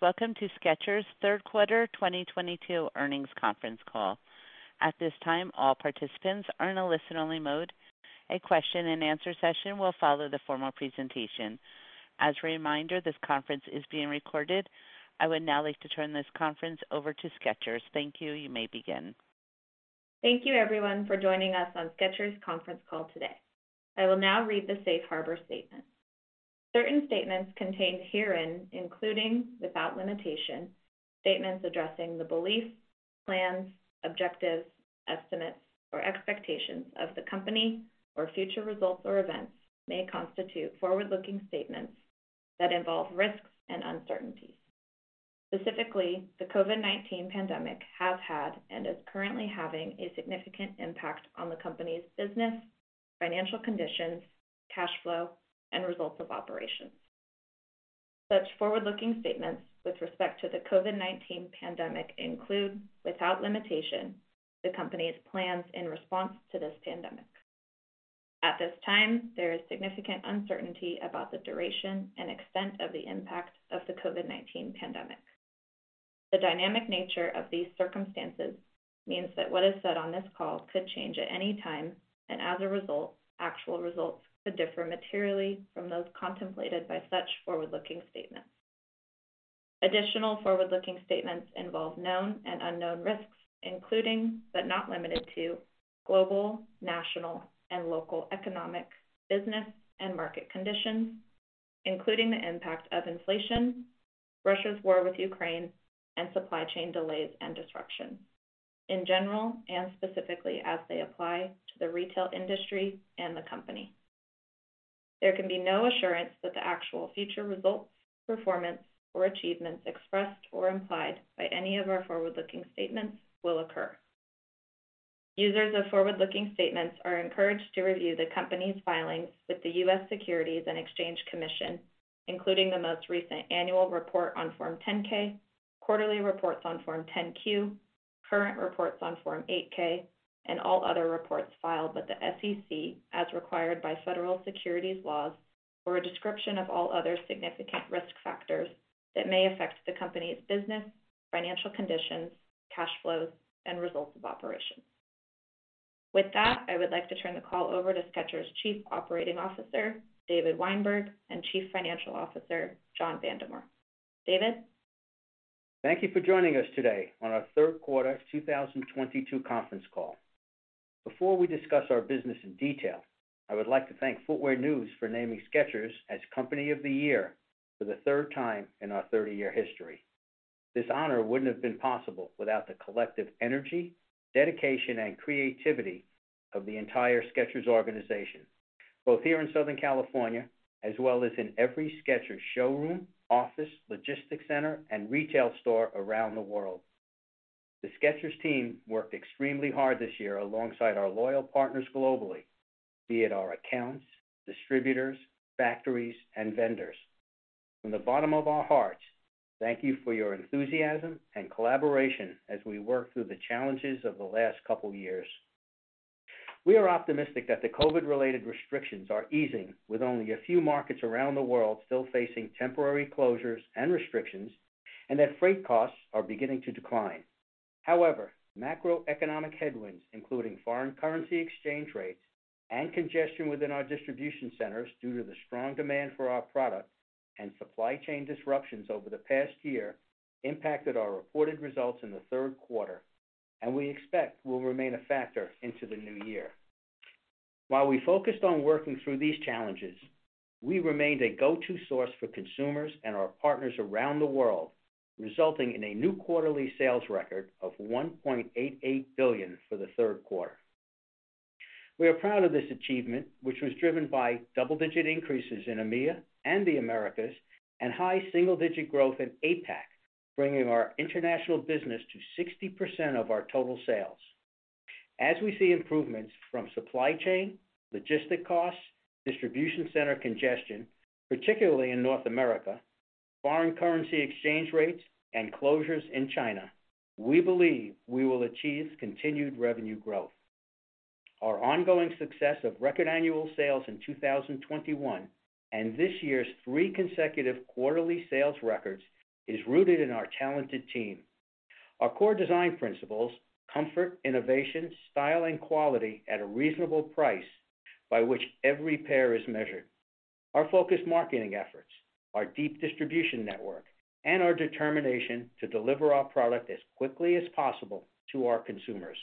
Welcome to Skechers' third quarter 2022 earnings conference call. At this time, all participants are in a listen-only mode. A question-and-answer session will follow the formal presentation. As a reminder, this conference is being recorded. I would now like to turn this conference over to Skechers. Thank you. You may begin. Thank you everyone for joining us on Skechers conference call today. I will now read the safe harbor statement. Certain statements contained herein, including without limitation, statements addressing the beliefs, plans, objectives, estimates, or expectations of the company or future results or events may constitute forward-looking statements that involve risks and uncertainties. Specifically, the COVID-19 pandemic has had and is currently having a significant impact on the company's business, financial conditions, cash flow, and results of operations. Such forward-looking statements with respect to the COVID-19 pandemic include, without limitation, the company's plans in response to this pandemic. At this time, there is significant uncertainty about the duration and extent of the impact of the COVID-19 pandemic. The dynamic nature of these circumstances means that what is said on this call could change at any time, and as a result, actual results could differ materially from those contemplated by such forward-looking statements. Additional forward-looking statements involve known and unknown risks, including, but not limited to, global, national, and local economic, business, and market conditions, including the impact of inflation, Russia's war with Ukraine, and supply chain delays and disruptions, in general and specifically as they apply to the retail industry and the company. There can be no assurance that the actual future results, performance, or achievements expressed or implied by any of our forward-looking statements will occur. Users of forward-looking statements are encouraged to review the company's filings with the U.S. Securities and Exchange Commission, including the most recent annual report on Form 10-K, quarterly reports on Form 10-Q, current reports on Form 8-K, and all other reports filed with the SEC as required by federal securities laws for a description of all other significant risk factors that may affect the company's business, financial conditions, cash flows, and results of operations. With that, I would like to turn the call over to Skechers' Chief Operating Officer, David Weinberg, and Chief Financial Officer, John Vandemore. David. Thank you for joining us today on our third quarter 2022 conference call. Before we discuss our business in detail, I would like to thank Footwear News for naming Skechers as Company of the Year for the third time in our 30-year history. This honor wouldn't have been possible without the collective energy, dedication, and creativity of the entire Skechers organization, both here in Southern California as well as in every Skechers showroom, office, logistics center, and retail store around the world. The Skechers team worked extremely hard this year alongside our loyal partners globally, be it our accounts, distributors, factories, and vendors. From the bottom of our hearts, thank you for your enthusiasm and collaboration as we work through the challenges of the last couple years. We are optimistic that the COVID-related restrictions are easing with only a few markets around the world still facing temporary closures and restrictions, and that freight costs are beginning to decline. However, macroeconomic headwinds, including foreign currency exchange rates and congestion within our distribution centers due to the strong demand for our products and supply chain disruptions over the past year impacted our reported results in the third quarter, and we expect will remain a factor into the new year. While we focused on working through these challenges, we remained a go-to source for consumers and our partners around the world, resulting in a new quarterly sales record of $1.88 billion for the third quarter. We are proud of this achievement, which was driven by double-digit increases in EMEA and the Americas and high single-digit growth in APAC, bringing our international business to 60% of our total sales. As we see improvements from supply chain, logistics costs, distribution center congestion, particularly in North America, foreign currency exchange rates, and closures in China, we believe we will achieve continued revenue growth. Our ongoing success of record annual sales in 2021, and this year's three consecutive quarterly sales records is rooted in our talented team. Our core design principles, comfort, innovation, style, and quality at a reasonable price by which every pair is measured, our focused marketing efforts, our deep distribution network, and our determination to deliver our product as quickly as possible to our consumers.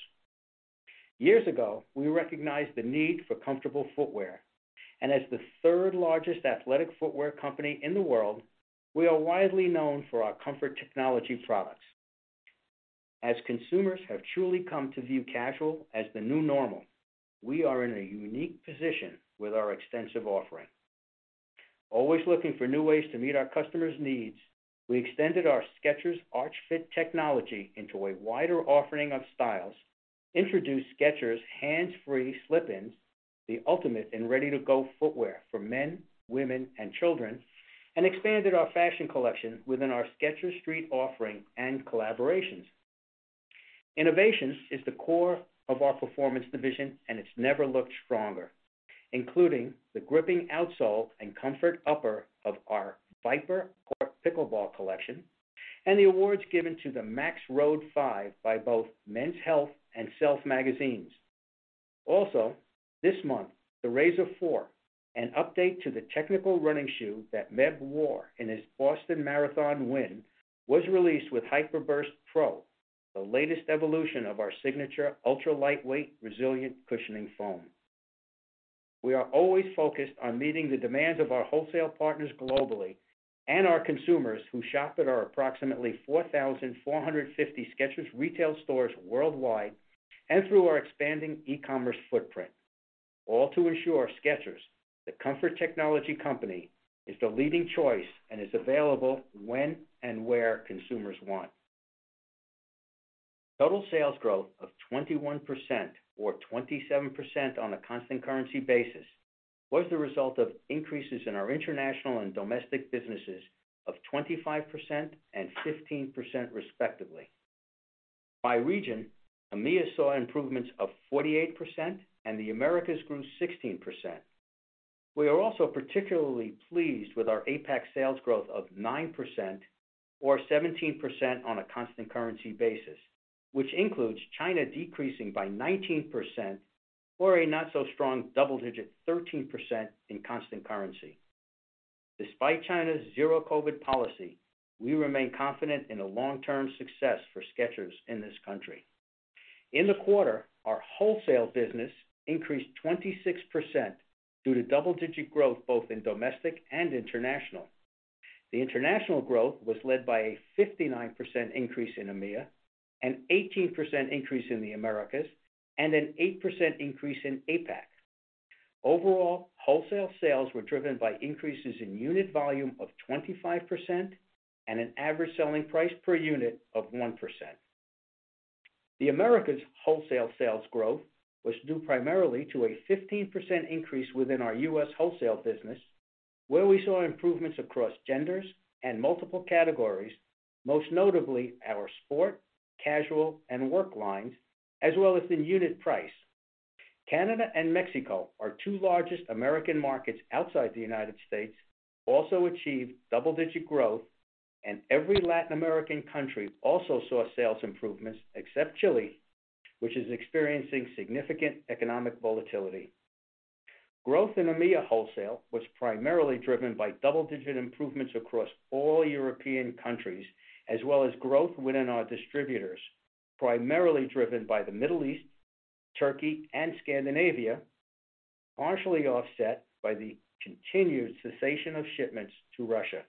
Years ago, we recognized the need for comfortable footwear, and as the third-largest athletic footwear company in the world, we are widely known for our comfort technology products. As consumers have truly come to view casual as the new normal, we are in a unique position with our extensive offering. Always looking for new ways to meet our customers' needs, we extended our Skechers Arch Fit technology into a wider offering of styles, introduced Skechers Hands Free Slip-ins, the ultimate in ready-to-go footwear for men, women, and children, and expanded our fashion collection within our Skechers Street offering and collaborations. Innovations is the core of our performance division, and it's never looked stronger, including the gripping outsole and comfort upper of our Viper Court pickleball collection, and the awards given to the Maxroad 5 by both Men's Health and Self magazines. Also, this month, the Razor 4, an update to the technical running shoe that Meb wore in his Boston Marathon win, was released with Hyper Burst Pro, the latest evolution of our signature ultra-lightweight, resilient cushioning foam. We are always focused on meeting the demands of our wholesale partners globally and our consumers who shop at our approximately 4,450 Skechers retail stores worldwide and through our expanding e-commerce footprint, all to ensure Skechers, the Comfort Technology company, is the leading choice and is available when and where consumers want. Total sales growth of 21% or 27% on a constant currency basis was the result of increases in our international and domestic businesses of 25% and 15% respectively. By region, EMEA saw improvements of 48% and the Americas grew 16%. We are also particularly pleased with our APAC sales growth of 9% or 17% on a constant currency basis, which includes China decreasing by 19% or a not so strong double-digit 13% in constant currency. Despite China's zero-COVID policy, we remain confident in the long-term success for Skechers in this country. In the quarter, our wholesale business increased 26% due to double-digit growth both in domestic and international. The international growth was led by a 59% increase in EMEA, an 18% increase in the Americas, and an 8% increase in APAC. Overall, wholesale sales were driven by increases in unit volume of 25% and an average selling price per unit of 1%. The Americas wholesale sales growth was due primarily to a 15% increase within our U.S. wholesale business, where we saw improvements across genders and multiple categories, most notably our sport, casual, and work lines, as well as in unit price. Canada and Mexico, our two largest American markets outside the United States, also achieved double-digit growth, and every Latin American country also saw sales improvements except Chile, which is experiencing significant economic volatility. Growth in EMEA wholesale was primarily driven by double-digit improvements across all European countries, as well as growth within our distributors, primarily driven by the Middle East, Turkey, and Scandinavia, partially offset by the continued cessation of shipments to Russia.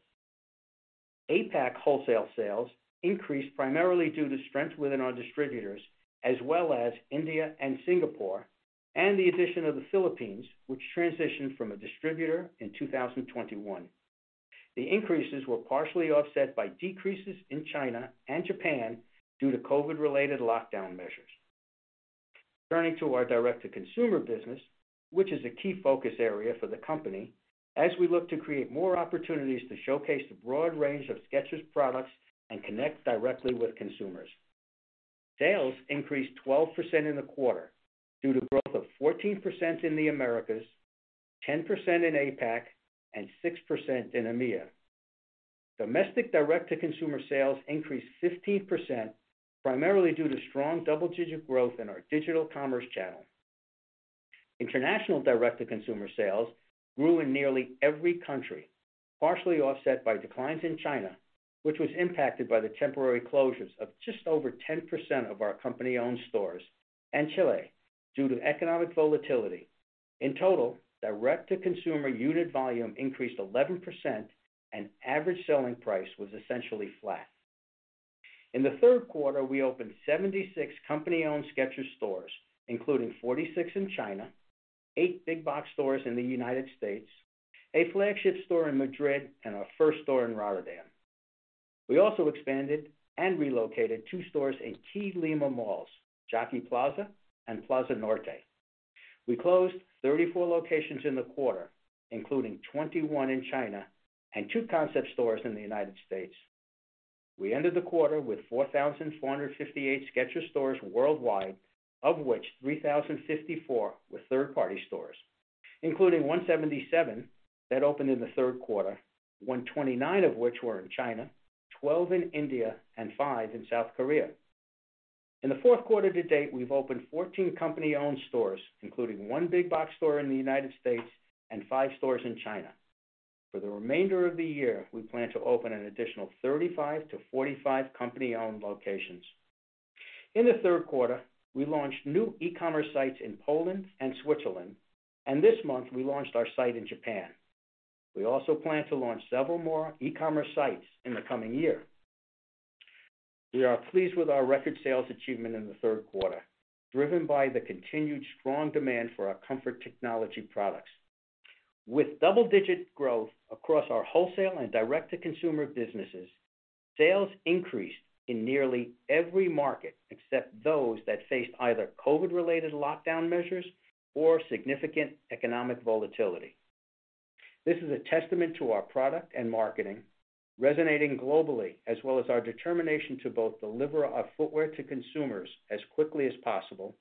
APAC wholesale sales increased primarily due to strength within our distributors as well as India and Singapore, and the addition of the Philippines, which transitioned from a distributor in 2021. The increases were partially offset by decreases in China and Japan due to COVID-related lockdown measures. Turning to our direct-to-consumer business, which is a key focus area for the company as we look to create more opportunities to showcase the broad range of Skechers products and connect directly with consumers. Sales increased 12% in the quarter due to growth of 14% in the Americas, 10% in APAC, and 6% in EMEA. Domestic direct-to-consumer sales increased 15%, primarily due to strong double-digit growth in our digital commerce channel. International direct-to-consumer sales grew in nearly every country, partially offset by declines in China, which was impacted by the temporary closures of just over 10% of our company-owned stores, and Chile due to economic volatility. In total, direct-to-consumer unit volume increased 11% and average selling price was essentially flat. In the third quarter, we opened 76 company-owned Skechers stores, including 46 in China, eight big box stores in the United States, a flagship store in Madrid, and our first store in Rotterdam. We also expanded and relocated two stores in key Lima malls, Jockey Plaza and Plaza Norte. We closed 34 locations in the quarter, including 21 in China and two concept stores in the United States. We ended the quarter with 4,458 Skechers stores worldwide, of which 3,054 were third-party stores, including 177 that opened in the third quarter, 129 of which were in China, 12 in India, and five in South Korea. In the fourth quarter to date, we've opened 14 company-owned stores, including one big box store in the United States and five stores in China. For the remainder of the year, we plan to open an additional 35-45 company-owned locations. In the third quarter, we launched new e-commerce sites in Poland and Switzerland, and this month we launched our site in Japan. We also plan to launch several more e-commerce sites in the coming year. We are pleased with our record sales achievement in the third quarter, driven by the continued strong demand for our comfort technology products. With double-digit growth across our wholesale and direct-to-consumer businesses, sales increased in nearly every market except those that faced either COVID-related lockdown measures or significant economic volatility. This is a testament to our product and marketing, resonating globally, as well as our determination to both deliver our footwear to consumers as quickly as possible,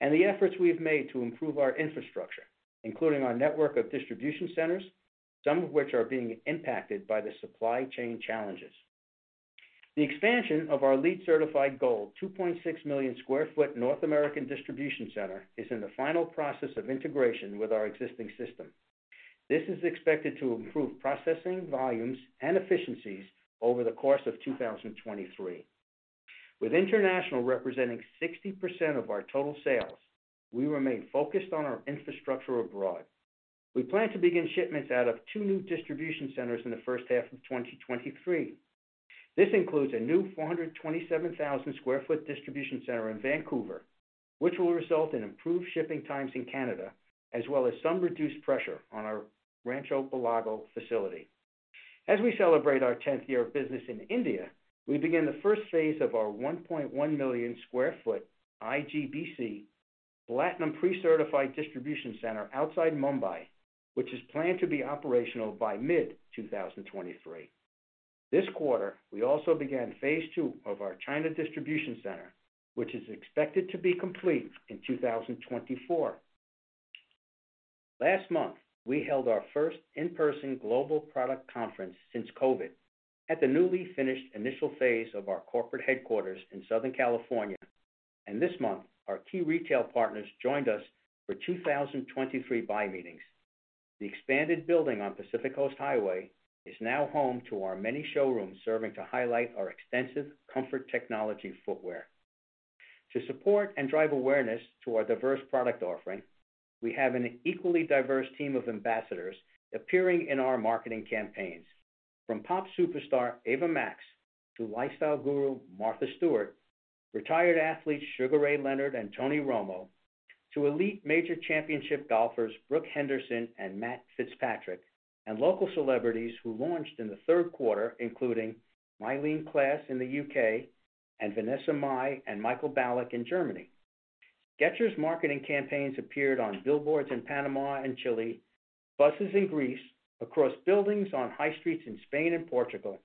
and the efforts we have made to improve our infrastructure, including our network of distribution centers, some of which are being impacted by the supply chain challenges. The expansion of our LEED certified gold 2.6 million sq ft North American distribution center is in the final process of integration with our existing system. This is expected to improve processing volumes and efficiencies over the course of 2023. With international representing 60% of our total sales, we remain focused on our infrastructure abroad. We plan to begin shipments out of two new distribution centers in the first half of 2023. This includes a new 427,000 sq ft distribution center in Vancouver, which will result in improved shipping times in Canada, as well as some reduced pressure on our Rancho Belago facility. As we celebrate our 10th year of business in India, we begin the first phase of our 1.1 million sq ft IGBC platinum pre-certified distribution center outside Mumbai, which is planned to be operational by mid-2023. This quarter, we also began phase two of our China distribution center, which is expected to be complete in 2024. Last month, we held our first in-person global product conference since COVID at the newly finished initial phase of our corporate headquarters in Southern California. This month, our key retail partners joined us for 2023 buy meetings. The expanded building on Pacific Coast Highway is now home to our many showrooms, serving to highlight our extensive comfort technology footwear. To support and drive awareness to our diverse product offering, we have an equally diverse team of ambassadors appearing in our marketing campaigns, from pop superstar Ava Max to lifestyle guru Martha Stewart, retired athletes Sugar Ray Leonard and Tony Romo, to elite major championship golfers Brooke Henderson and Matt Fitzpatrick, and local celebrities who launched in the third quarter, including Eileen Gu in the U.K. and Vanessa Mai and Michael Ballack in Germany. Skechers' marketing campaigns appeared on billboards in Panama and Chile, buses in Greece, across buildings on high streets in Spain and Portugal,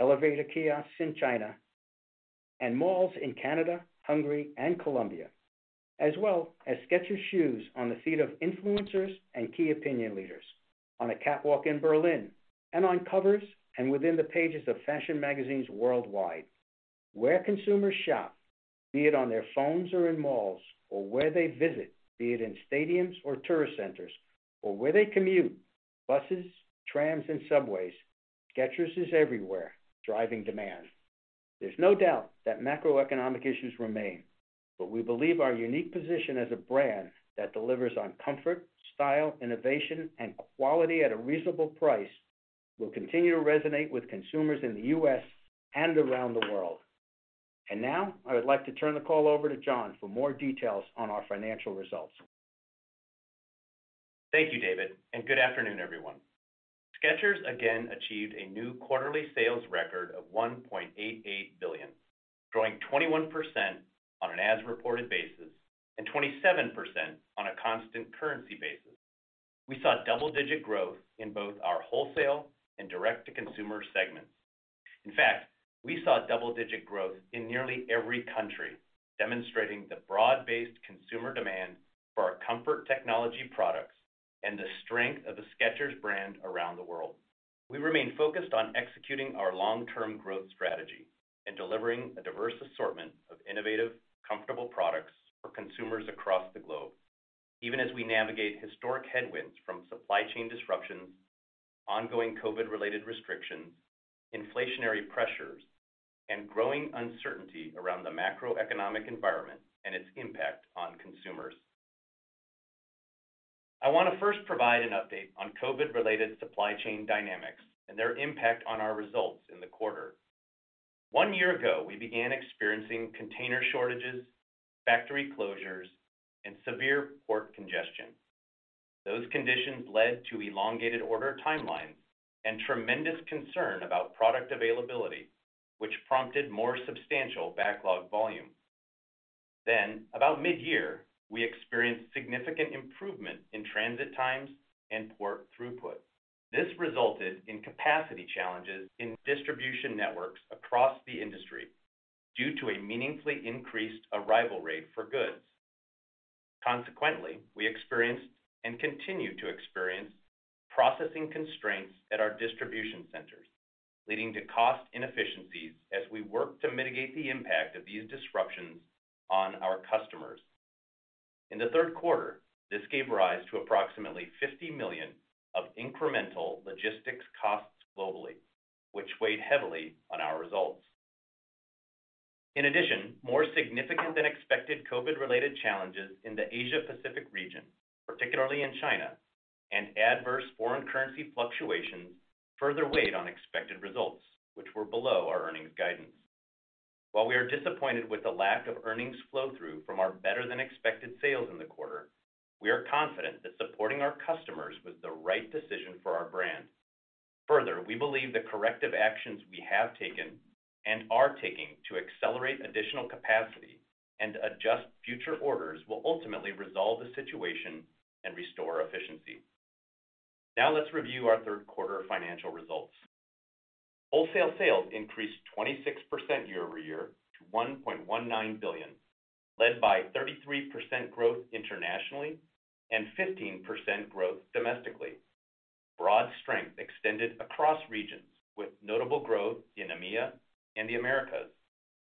elevator kiosks in China, and malls in Canada, Hungary, and Colombia, as well as Skechers shoes on the feet of influencers and key opinion leaders, on a catwalk in Berlin, and on covers and within the pages of fashion magazines worldwide. Where consumers shop, be it on their phones or in malls, or where they visit, be it in stadiums or tourist centers, or where they commute, buses, trams, and subways, Skechers is everywhere, driving demand. There's no doubt that macroeconomic issues remain, but we believe our unique position as a brand that delivers on comfort, style, innovation, and quality at a reasonable price will continue to resonate with consumers in the U.S. and around the world. Now, I would like to turn the call over to John for more details on our financial results. Thank you, David, and good afternoon, everyone. Skechers again achieved a new quarterly sales record of $1.88 billion, growing 21% on an as-reported basis and 27% on a constant currency basis. We saw double-digit growth in both our wholesale and direct-to-consumer segments. In fact, we saw double-digit growth in nearly every country, demonstrating the broad-based consumer demand for our comfort technology products and the strength of the Skechers brand around the world. We remain focused on executing our long-term growth strategy and delivering a diverse assortment of innovative, comfortable products for consumers across the globe, even as we navigate historic headwinds from supply chain disruptions, ongoing COVID-related restrictions, inflationary pressures, and growing uncertainty around the macroeconomic environment and its impact on consumers. I wanna first provide an update on COVID-related supply chain dynamics and their impact on our results in the quarter. One year ago, we began experiencing container shortages, factory closures, and severe port congestion. Those conditions led to elongated order timelines and tremendous concern about product availability, which prompted more substantial backlog volume. About mid-year, we experienced significant improvement in transit times and port throughput. This resulted in capacity challenges in distribution networks across the industry due to a meaningfully increased arrival rate for goods. Consequently, we experienced and continue to experience processing constraints at our distribution centers, leading to cost inefficiencies as we work to mitigate the impact of these disruptions on our customers. In the third quarter, this gave rise to approximately $50 million of incremental logistics costs globally, which weighed heavily on our results. In addition, more significant than expected COVID-related challenges in the Asia Pacific region, particularly in China, and adverse foreign currency fluctuations further weighed on expected results, which were below our earnings guidance. While we are disappointed with the lack of earnings flow-through from our better-than-expected sales in the quarter, we are confident that supporting our customers was the right decision for our brand. Further, we believe the corrective actions we have taken and are taking to accelerate additional capacity and adjust future orders will ultimately resolve the situation and restore efficiency. Now let's review our third quarter financial results. Wholesale sales increased 26% year-over-year to $1.19 billion, led by 33% growth internationally and 15% growth domestically. Broad strength extended across regions with notable growth in EMEA and the Americas,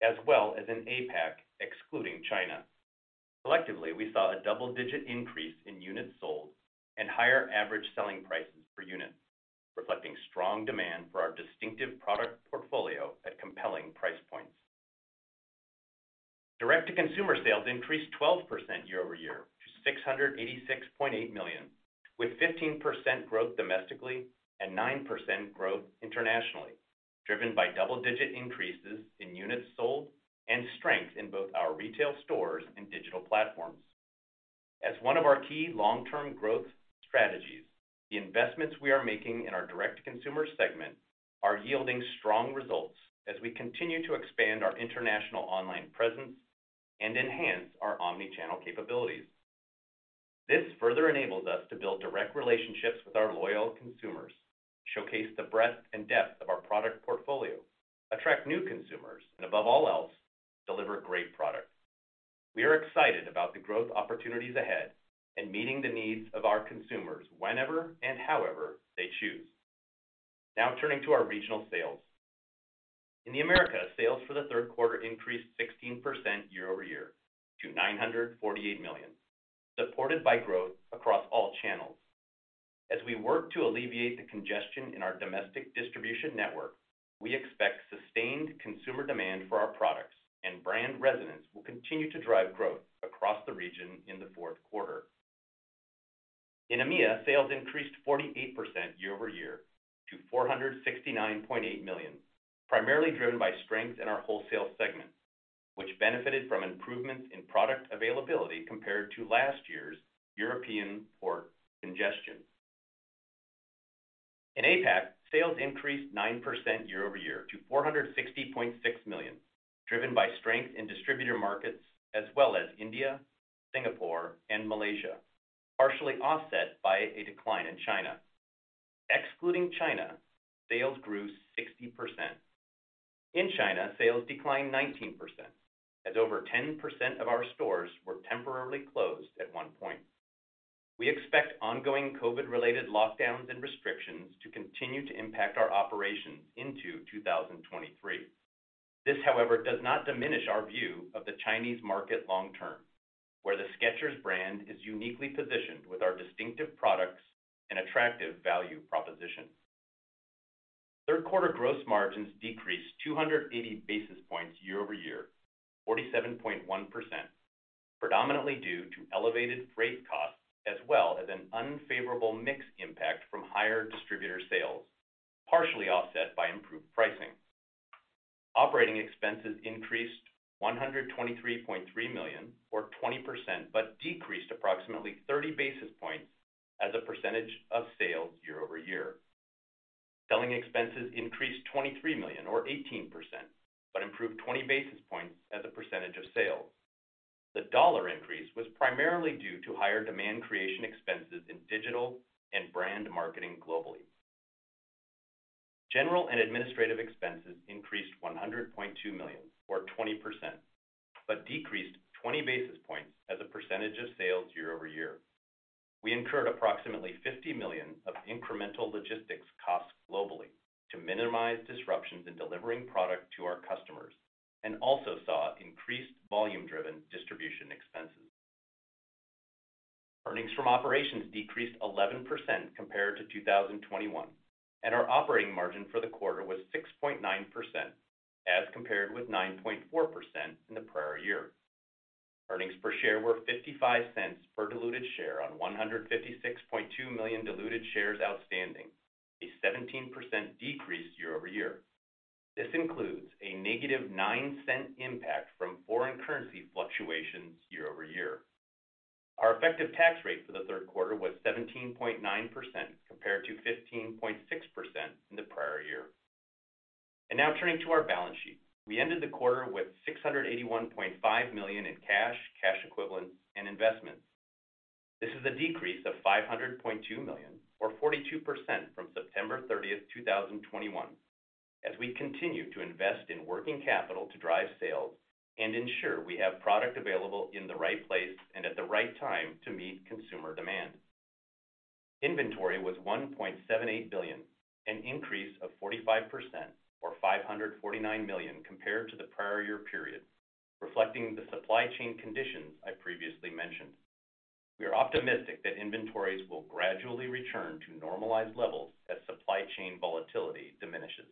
as well as in APAC, excluding China. Collectively, we saw a double-digit increase in units sold and higher average selling prices per unit, reflecting strong demand for our distinctive product portfolio at compelling price points. Direct-to-consumer sales increased 12% year-over-year to $686.8 million, with 15% growth domestically and 9% growth internationally, driven by double-digit increases in units sold and strength in both our retail stores and digital platforms. As one of our key long-term growth strategies, the investments we are making in our direct-to-consumer segment are yielding strong results as we continue to expand our international online presence and enhance our omni-channel capabilities. This further enables us to build direct relationships with our loyal consumers, showcase the breadth and depth of our product portfolio, attract new consumers, and above all else, deliver great products. We are excited about the growth opportunities ahead and meeting the needs of our consumers whenever and however they choose. Now turning to our regional sales. In the Americas, sales for the third quarter increased 16% year-over-year to $948 million, supported by growth across all channels. We work to alleviate the congestion in our domestic distribution network. We expect sustained consumer demand for our products, and brand resonance will continue to drive growth across the region in the fourth quarter. In EMEA, sales increased 48% year-over-year to $469.8 million, primarily driven by strength in our wholesale segment, which benefited from improvements in product availability compared to last year's European port congestion. In APAC, sales increased 9% year-over-year to $460.6 million, driven by strength in distributor markets as well as India, Singapore, and Malaysia, partially offset by a decline in China. Excluding China, sales grew 60%. In China, sales declined 19%, as over 10% of our stores were temporarily closed at one point. We expect ongoing COVID-related lockdowns and restrictions to continue to impact our operations into 2023. This, however, does not diminish our view of the Chinese market long term, where the Skechers brand is uniquely positioned with our distinctive products and attractive value proposition. Third quarter gross margins decreased 280 basis points year over year, 47.1%, predominantly due to elevated freight costs as well as an unfavorable mix impact from higher distributor sales, partially offset by improved pricing. Operating expenses increased $123.3 million or 20%, but decreased approximately 30 basis points as a percentage of sales year over year. Selling expenses increased $23 million or 18%, but improved 20 basis points as a percentage of sales. The dollar increase was primarily due to higher demand creation expenses in digital and brand marketing globally. General and administrative expenses increased $102 million or 20%, but decreased 20 basis points as a percentage of sales year-over-year. We incurred approximately $50 million of incremental logistics costs globally to minimize disruptions in delivering product to our customers and also saw increased volume-driven distribution expenses. Earnings from operations decreased 11% compared to 2021, and our operating margin for the quarter was 6.9% as compared with 9.4% in the prior year. Earnings per share were $0.55 per diluted share on 156.2 million diluted shares outstanding, a 17% decrease year-over-year. This includes a negative $0.09 impact from foreign currency fluctuations year-over-year. Our effective tax rate for the third quarter was 17.9% compared to 15.6% in the prior year. Now turning to our balance sheet. We ended the quarter with $681.5 million in cash equivalents, and investments. This is a decrease of $500.2 million or 42% from September 30, 2021, as we continue to invest in working capital to drive sales and ensure we have product available in the right place and at the right time to meet consumer demand. Inventory was $1.78 billion, an increase of 45% or $549 million compared to the prior year period, reflecting the supply chain conditions I previously mentioned. We are optimistic that inventories will gradually return to normalized levels as supply chain volatility diminishes.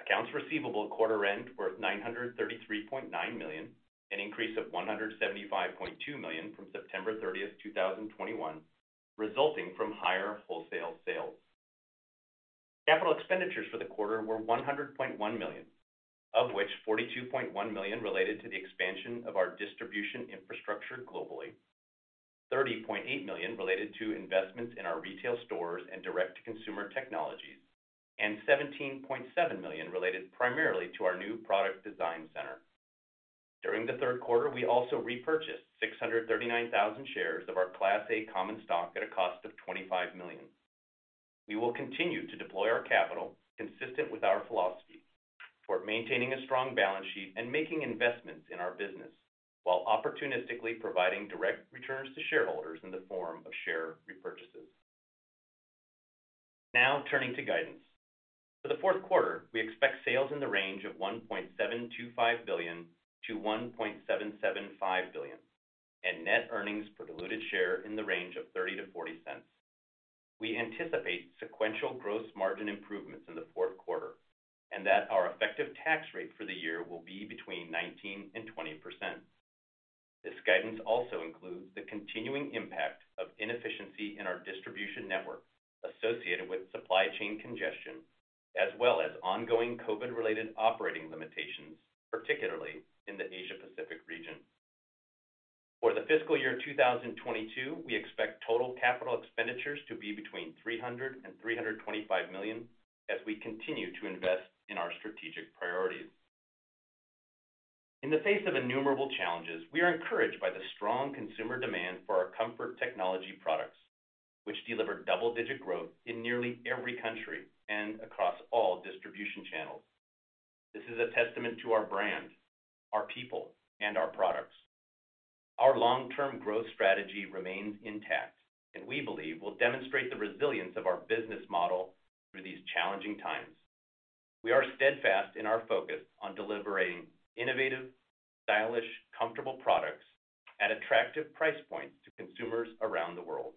Accounts receivable at quarter end were $933.9 million, an increase of $175.2 million from September 30, 2021, resulting from higher wholesale sales. Capital expenditures for the quarter were $100.1 million, of which $42.1 million related to the expansion of our distribution infrastructure globally, $30.8 million related to investments in our retail stores and direct-to-consumer technologies, and $17.7 million related primarily to our new product design center. During the third quarter, we also repurchased 639,000 shares of our Class A common stock at a cost of $25 million. We will continue to deploy our capital consistent with our philosophy for maintaining a strong balance sheet and making investments in our business while opportunistically providing direct returns to shareholders in the form of share repurchases. Now, turning to guidance. For the fourth quarter, we expect sales in the range of $1.725 billion-$1.775 billion, and net earnings per diluted share in the range of $0.30-$0.40. We anticipate sequential gross margin improvements in the fourth quarter, and that our effective tax rate for the year will be between 19%-20%. This guidance also includes the continuing impact of inefficiency in our distribution network associated with supply chain congestion, as well as ongoing COVID-related operating limitations, particularly in the Asia Pacific region. For the fiscal year 2022, we expect total capital expenditures to be between $300 million-$325 million as we continue to invest in our strategic priorities. In the face of innumerable challenges, we are encouraged by the strong consumer demand for our comfort technology products, which delivered double-digit growth in nearly every country and across all distribution channels. This is a testament to our brand, our people, and our products. Our long-term growth strategy remains intact, and we believe will demonstrate the resilience of our business model through these challenging times. We are steadfast in our focus on delivering innovative, stylish, comfortable products at attractive price points to consumers around the world.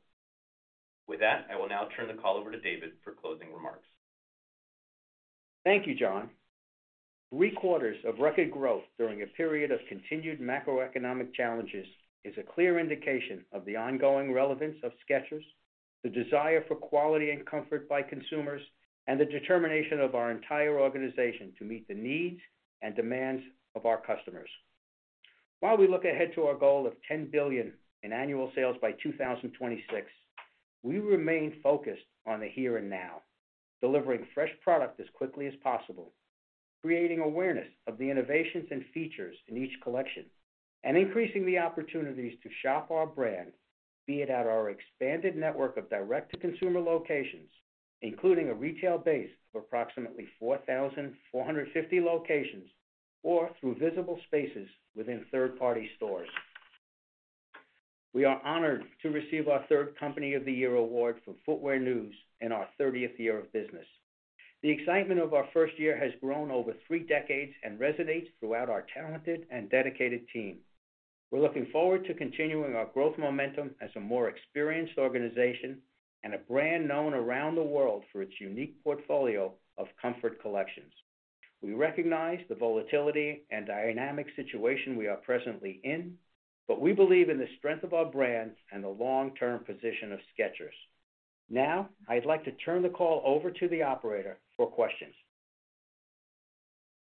With that, I will now turn the call over to David for closing remarks. Thank you, John. Three quarters of record growth during a period of continued macroeconomic challenges is a clear indication of the ongoing relevance of Skechers, the desire for quality and comfort by consumers, and the determination of our entire organization to meet the needs and demands of our customers. While we look ahead to our goal of $10 billion in annual sales by 2026, we remain focused on the here and now, delivering fresh product as quickly as possible, creating awareness of the innovations and features in each collection, and increasing the opportunities to shop our brand, be it at our expanded network of direct-to-consumer locations, including a retail base of approximately 4,450 locations, or through visible spaces within third-party stores. We are honored to receive our third Company of the Year award for Footwear News in our thirtieth year of business. The excitement of our first year has grown over three decades and resonates throughout our talented and dedicated team. We're looking forward to continuing our growth momentum as a more experienced organization and a brand known around the world for its unique portfolio of comfort collections. We recognize the volatility and dynamic situation we are presently in, but we believe in the strength of our brand and the long-term position of Skechers. Now, I'd like to turn the call over to the operator for questions.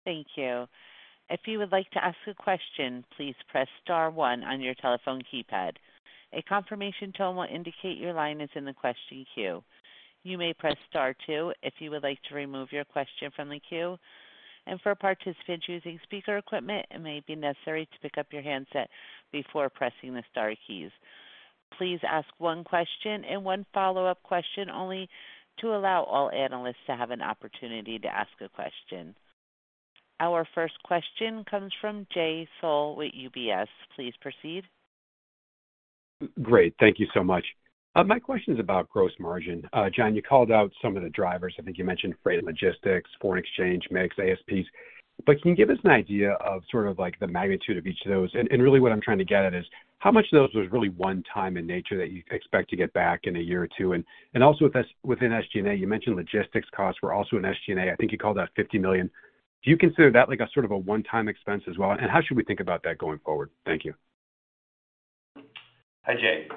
Thank you. If you would like to ask a question, please press star one on your telephone keypad. A confirmation tone will indicate your line is in the question queue. You may press star two if you would like to remove your question from the queue. For participants using speaker equipment, it may be necessary to pick up your handset before pressing the star keys. Please ask one question and one follow-up question only to allow all analysts to have an opportunity to ask a question. Our first question comes from Jay Sole with UBS. Please proceed. Great. Thank you so much. My question is about gross margin. John, you called out some of the drivers. I think you mentioned freight and logistics, foreign exchange, mix, ASPs. But can you give us an idea of sort of like the magnitude of each of those? And really what I'm trying to get at is how much of those was really one time in nature that you expect to get back in a year or two? And also within SG&A, you mentioned logistics costs were also in SG&A. I think you called out $50 million. Do you consider that like a sort of a one-time expense as well, and how should we think about that going forward? Thank you. Hi, Jay.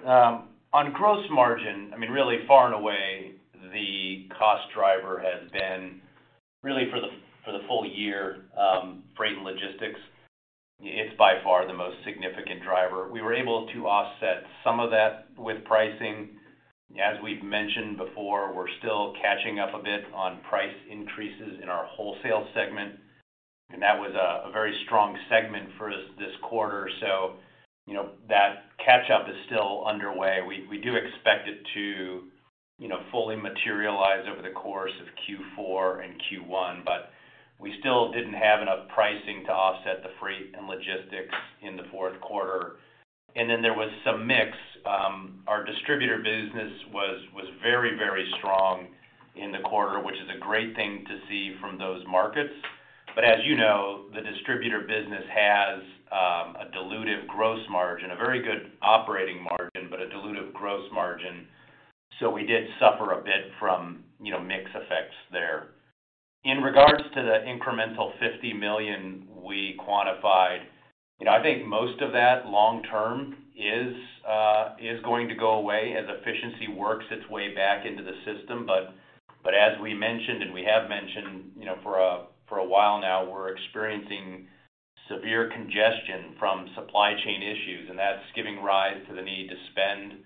On gross margin, I mean, really far and away, the cost driver has been really for the full year, freight and logistics. It's by far the most significant driver. We were able to offset some of that with pricing. As we've mentioned before, we're still catching up a bit on price increases in our wholesale segment, and that was a very strong segment for us this quarter. You know, that catch-up is still underway. We do expect it to fully materialize over the course of Q4 and Q1, but we still didn't have enough pricing to offset the freight and logistics in the fourth quarter. Then there was some mix. Our distributor business was very strong in the quarter, which is a great thing to see from those markets. As you know, the distributor business has a dilutive gross margin, a very good operating margin, but a dilutive gross margin. We did suffer a bit from, you know, mix effects there. In regards to the incremental $50 million we quantified, you know, I think most of that long term is going to go away as efficiency works its way back into the system. As we mentioned, and we have mentioned, you know, for a while now, we're experiencing severe congestion from supply chain issues, and that's giving rise to the need to spend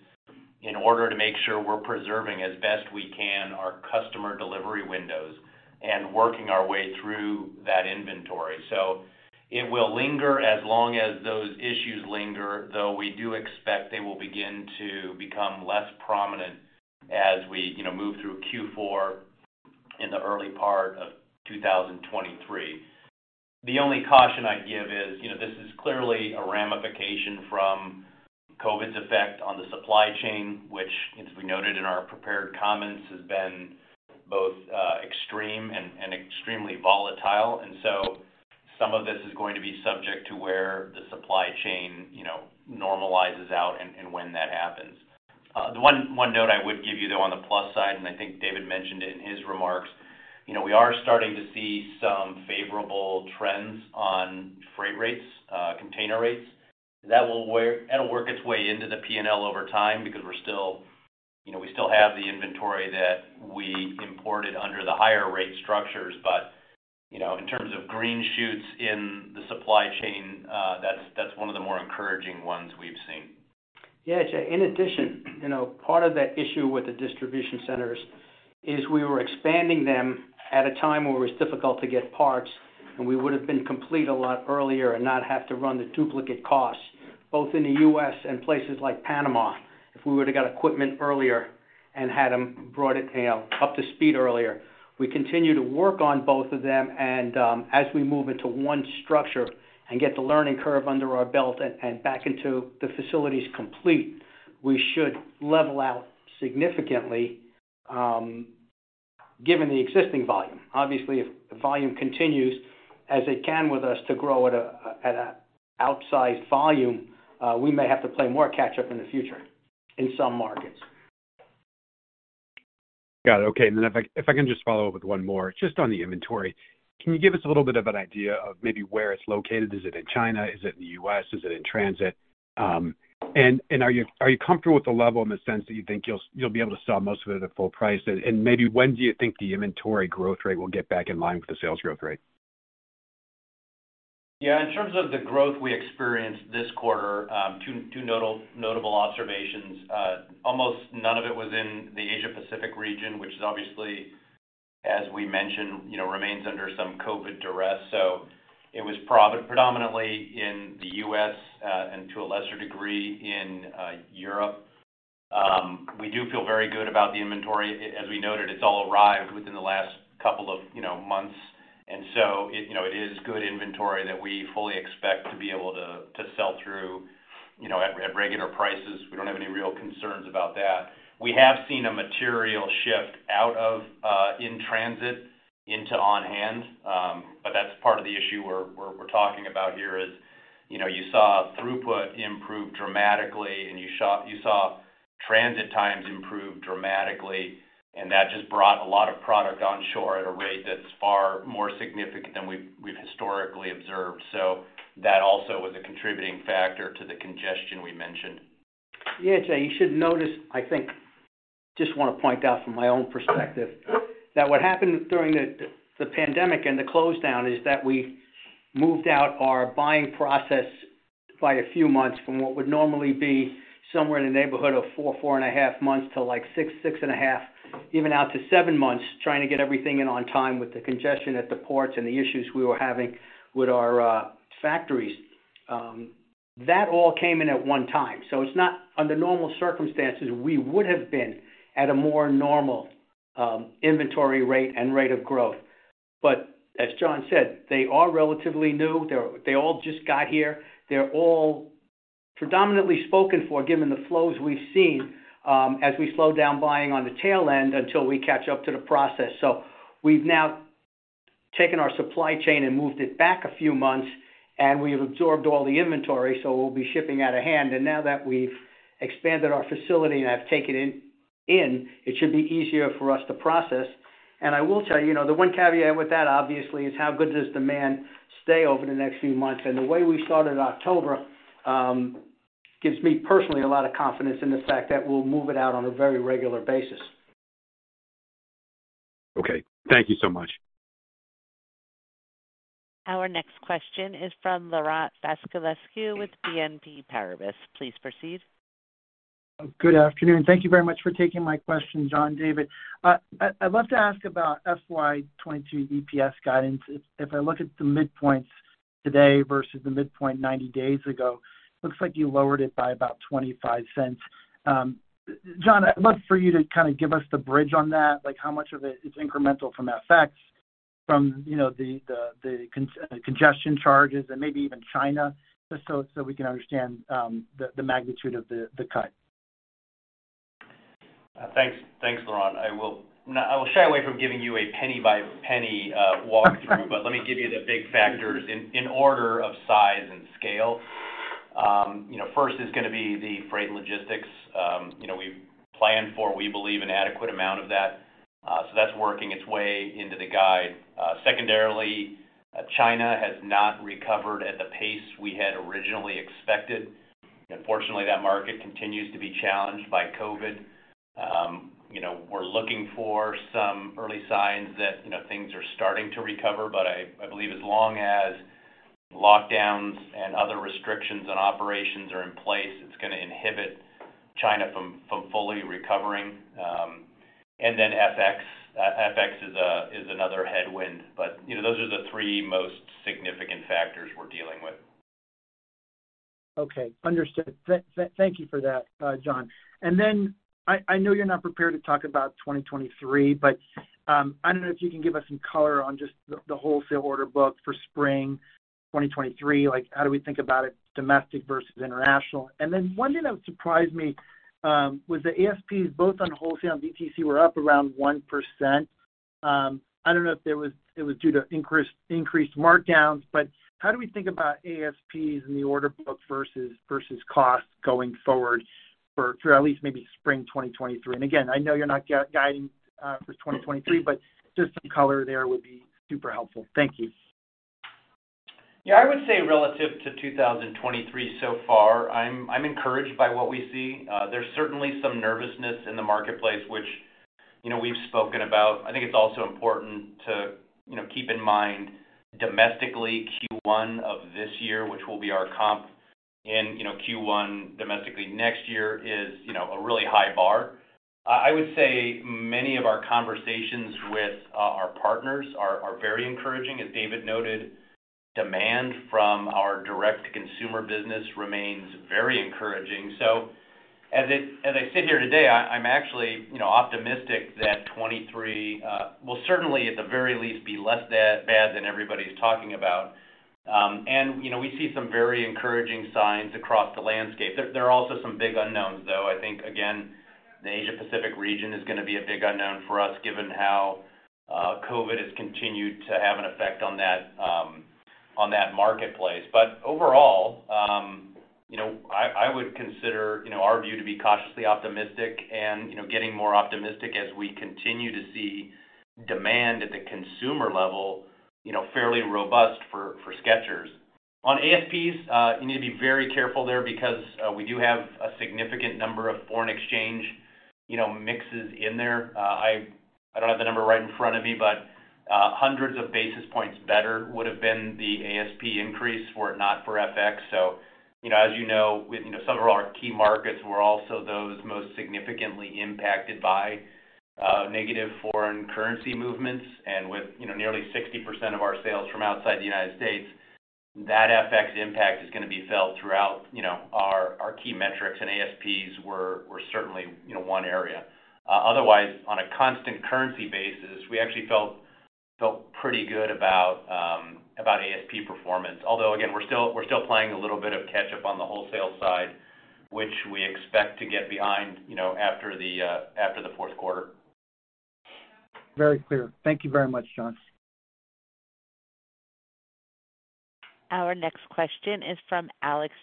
in order to make sure we're preserving as best we can our customer delivery windows and working our way through that inventory. It will linger as long as those issues linger, though we do expect they will begin to become less prominent as we, you know, move through Q4 in the early part of 2023. The only caution I'd give is, you know, this is clearly a ramification from COVID's effect on the supply chain, which, as we noted in our prepared comments, has been both extreme and extremely volatile. Some of this is going to be subject to where the supply chain, you know, normalizes out and when that happens. The one note I would give you, though, on the plus side, and I think David mentioned it in his remarks, you know, we are starting to see some favorable trends on freight rates, container rates. That'll work its way into the P&L over time because we're still, you know, we still have the inventory that we imported under the higher rate structures. You know, in terms of green shoots in the supply chain, that's one of the more encouraging ones we've seen. Yeah. In addition, you know, part of that issue with the distribution centers is we were expanding them at a time where it was difficult to get parts, and we would have been complete a lot earlier and not have to run the duplicate costs both in the U.S. and places like Panama if we would've got equipment earlier and had them brought it, you know, up to speed earlier. We continue to work on both of them, and as we move into one structure and get the learning curve under our belt and back into the facilities complete, we should level out significantly, given the existing volume. Obviously, if the volume continues as it can with us to grow at a outsized volume, we may have to play more catch up in the future in some markets. Got it. Okay. If I can just follow up with one more just on the inventory? Can you give us a little bit of an idea of maybe where it's located? Is it in China? Is it in the U.S.? Is it in transit? Are you comfortable with the level in the sense that you think you'll be able to sell most of it at full price? Maybe when do you think the inventory growth rate will get back in line with the sales growth rate? Yeah. In terms of the growth we experienced this quarter, two notable observations. Almost none of it was in the Asia Pacific region, which is obviously, as we mentioned, you know, remains under some COVID duress. It was predominantly in the U.S., and to a lesser degree in Europe. We do feel very good about the inventory. As we noted, it's all arrived within the last couple of, you know, months, and so it, you know, it is good inventory that we fully expect to be able to sell through, you know, at regular prices. We don't have any real concerns about that. We have seen a material shift out of in transit into on hand. That's part of the issue we're talking about here is, you know, you saw throughput improve dramatically and you saw transit times improve dramatically, and that just brought a lot of product onshore at a rate that's far more significant than we've historically observed. That also was a contributing factor to the congestion we mentioned. Yeah. You should notice, I think, just wanna point out from my own perspective that what happened during the pandemic and the close down is that we moved out our buying process by a few months from what would normally be somewhere in the neighborhood of 4.5 months to, like, 6.5, even out to 7 months, trying to get everything in on time with the congestion at the ports and the issues we were having with our factories. That all came in at one time. It's not under normal circumstances, we would have been at a more normal inventory rate and rate of growth. As John said, they are relatively new. They all just got here. They're all predominantly spoken for, given the flows we've seen, as we slow down buying on the tail end until we catch up to the process. We've now taken our supply chain and moved it back a few months, and we've absorbed all the inventory, so we'll be shipping on hand. Now that we've expanded our facility and have taken in, it should be easier for us to process. I will tell you know, the one caveat with that, obviously, is how good does demand stay over the next few months? The way we started October gives me personally a lot of confidence in the fact that we'll move it out on a very regular basis. Okay. Thank you so much. Our next question is from Laurent Vasilescu with BNP Paribas. Please proceed. Good afternoon. Thank you very much for taking my question, John, David. I'd love to ask about FY 2022 EPS guidance. If I look at the midpoints today versus the midpoint 90 days ago, looks like you lowered it by about $0.25. John, I'd love for you to kind of give us the bridge on that, like how much of it is incremental from FX, from, you know, the congestion charges and maybe even China, just so we can understand the magnitude of the cut? Thanks. Thanks, Laurent. Now, I will shy away from giving you a penny by penny walk through. Let me give you the big factors in order of size and scale. You know, first is going to be the freight logistics. You know, we've planned for, we believe, an adequate amount of that, so that's working its way into the guide. Secondarily, China has not recovered at the pace we had originally expected. Unfortunately, that market continues to be challenged by COVID. You know, we're looking for some early signs that, you know, things are starting to recover, but I believe as long as lockdowns and other restrictions on operations are in place, it's going to inhibit China from fully recovering. FX. FX is another headwind. You know, those are the three most significant factors we're dealing with. Okay. Understood. Thank you for that, John. I know you're not prepared to talk about 2023, but I don't know if you can give us some color on just the wholesale order book for spring 2023? Like, how do we think about it domestic versus international? One thing that surprised me was the ASPs both on wholesale and DTC were up around 1%. I don't know if it was increased markdowns, but how do we think about ASPs in the order book versus cost going forward through at least maybe spring 2023? Again, I know you're not guiding for 2023, but just some color there would be super helpful. Thank you. Yeah, I would say relative to 2023 so far, I'm encouraged by what we see. There's certainly some nervousness in the marketplace, which, you know, we've spoken about. I think it's also important to, you know, keep in mind domestically, Q1 of this year, which will be our comp in, you know, Q1 domestically next year, is, you know, a really high bar. I would say many of our conversations with our partners are very encouraging. As David noted, demand from our direct-to-consumer business remains very encouraging. As I sit here today, I'm actually, you know, optimistic that 2023 will certainly, at the very least, be less bad than everybody's talking about. We see some very encouraging signs across the landscape. There are also some big unknowns, though. I think, again, the Asia Pacific region is gonna be a big unknown for us, given how, COVID has continued to have an effect on that, on that marketplace. Overall, you know, I would consider, you know, our view to be cautiously optimistic and, you know, getting more optimistic as we continue to see demand at the consumer level, you know, fairly robust for Skechers. On ASPs, you need to be very careful there because, we do have a significant number of foreign exchange, you know, mixes in there. I don't have the number right in front of me, but, hundreds of basis points better would have been the ASP increase were it not for FX. You know, as you know, with several of our key markets were also those most significantly impacted by negative foreign currency movements. With nearly 60% of our sales from outside the United States, that FX impact is gonna be felt throughout our key metrics, and ASPs were certainly one area. Otherwise, on a constant currency basis, we actually felt pretty good about ASP performance. Although, again, we're still playing a little bit of catch-up on the wholesale side, which we expect to get behind after the fourth quarter. Very clear. Thank you very much, John. Our next question is from Alex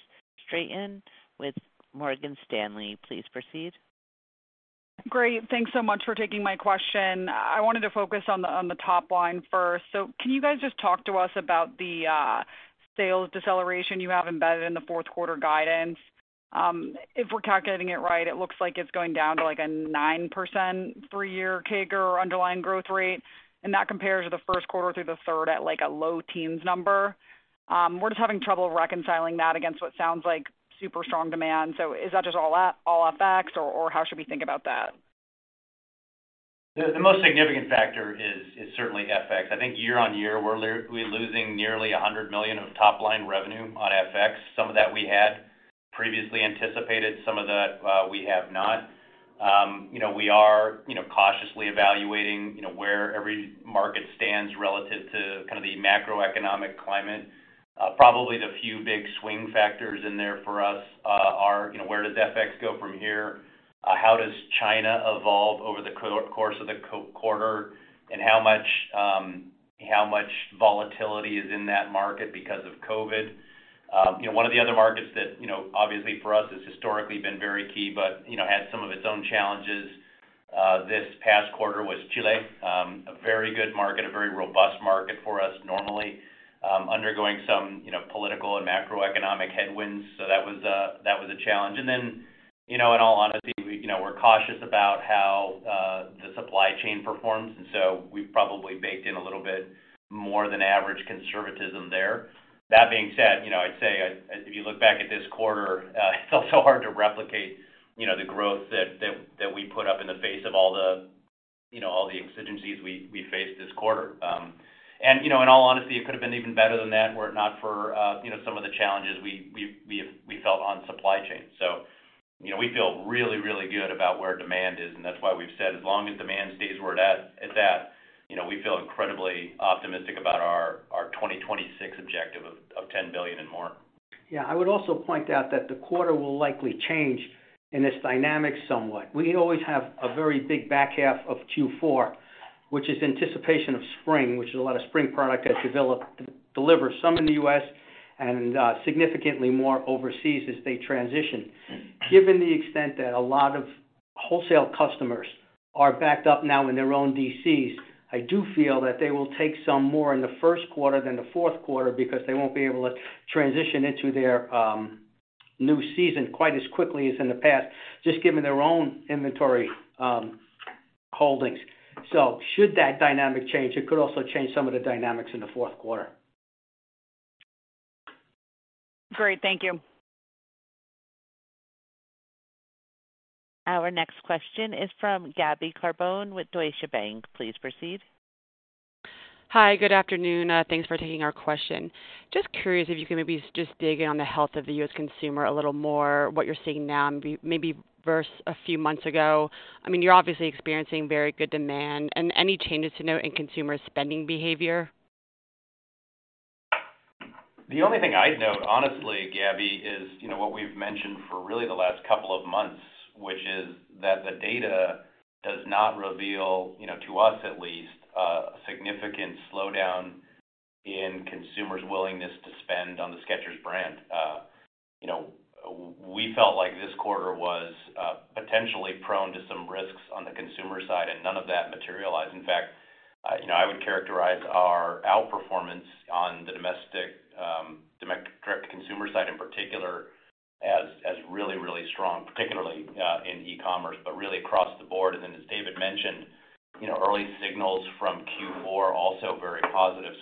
Straton with Morgan Stanley. Please proceed. Great. Thanks so much for taking my question. I wanted to focus on the, on the top line first. Can you guys just talk to us about the sales deceleration you have embedded in the fourth quarter guidance? If we're calculating it right, it looks like it's going down to, like, a 9% for year CAGR underlying growth rate, and that compares to the first quarter through the third at, like, a low teens number. We're just having trouble reconciling that against what sounds like super strong demand. Is that just all all FX, or how should we think about that? The most significant factor is certainly FX. I think year-on-year, we're losing nearly $100 million of top-line revenue on FX. Some of that we had previously anticipated, some of that we have not. You know, we are you know cautiously evaluating you know where every market stands relative to kind of the macroeconomic climate. Probably the few big swing factors in there for us are you know where does FX go from here? How does China evolve over the course of the quarter? And how much volatility is in that market because of COVID? You know one of the other markets that you know obviously for us has historically been very key but you know had some of its own challenges this past quarter was Chile. A very good market, a very robust market for us normally, undergoing some, you know, political and macroeconomic headwinds. So that was a challenge. You know, in all honesty, we, you know, we're cautious about how the supply chain performs, and so we've probably baked in a little bit more than average conservatism there. That being said, you know, I'd say if you look back at this quarter, it's also hard to replicate, you know, the growth that we put up in the face of all the, you know, all the exigencies we faced this quarter. You know, in all honesty, it could have been even better than that were it not for, you know, some of the challenges we felt on supply chain. You know, we feel really good about where demand is, and that's why we've said as long as demand stays where it's at that, you know, we feel incredibly optimistic about our 2026 objective of $10 billion and more. Yeah. I would also point out that the quarter will likely change in its dynamics somewhat. We always have a very big back half of Q4, which is anticipation of spring, which is a lot of spring product that's developed. Deliver some in the U.S. and, significantly more overseas as they transition. Given the extent that a lot of wholesale customers are backed up now in their own DCs. I do feel that they will take some more in the first quarter than the fourth quarter because they won't be able to transition into their, new season quite as quickly as in the past, just given their own inventory, holdings. Should that dynamic change, it could also change some of the dynamics in the fourth quarter. Great. Thank you. Our next question is from Gabby Carbone with Deutsche Bank. Please proceed. Hi, good afternoon. Thanks for taking our question. Just curious if you can maybe just dig in on the health of the U.S. consumer a little more, what you're seeing now, maybe versus a few months ago. I mean, you're obviously experiencing very good demand and any changes to note in consumer spending behavior. The only thing I'd note, honestly, Gabby, is, you know, what we've mentioned for really the last couple of months, which is that the data does not reveal, you know, to us at least, a significant slowdown in consumers' willingness to spend on the Skechers brand. You know, we felt like this quarter was potentially prone to some risks on the consumer side, and none of that materialized. In fact, you know, I would characterize our outperformance on the domestic, direct consumer side in particular as really really strong, particularly in e-commerce, but really across the board. As David mentioned, you know, early signals from Q4 are also very positive.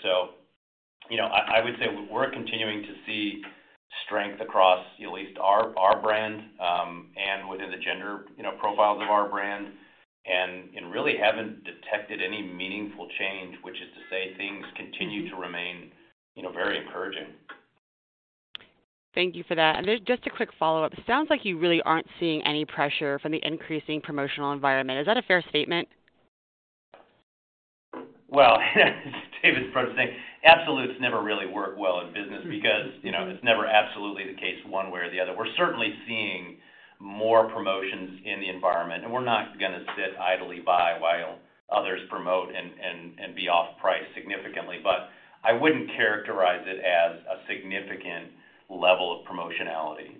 You know, I would say we're continuing to see strength across at least our brand, and within the gender, you know, profiles of our brand, and really haven't detected any meaningful change, which is to say things continue to remain, you know, very encouraging. Thank you for that. Just a quick follow-up. It sounds like you really aren't seeing any pressure from the increasing promotional environment. Is that a fair statement? Well, as David was saying, absolutes never really work well in business because, you know, it's never absolutely the case one way or the other. We're certainly seeing more promotions in the environment, and we're not going to sit idly by while others promote and be off price significantly. I wouldn't characterize it as a significant level of promotionality.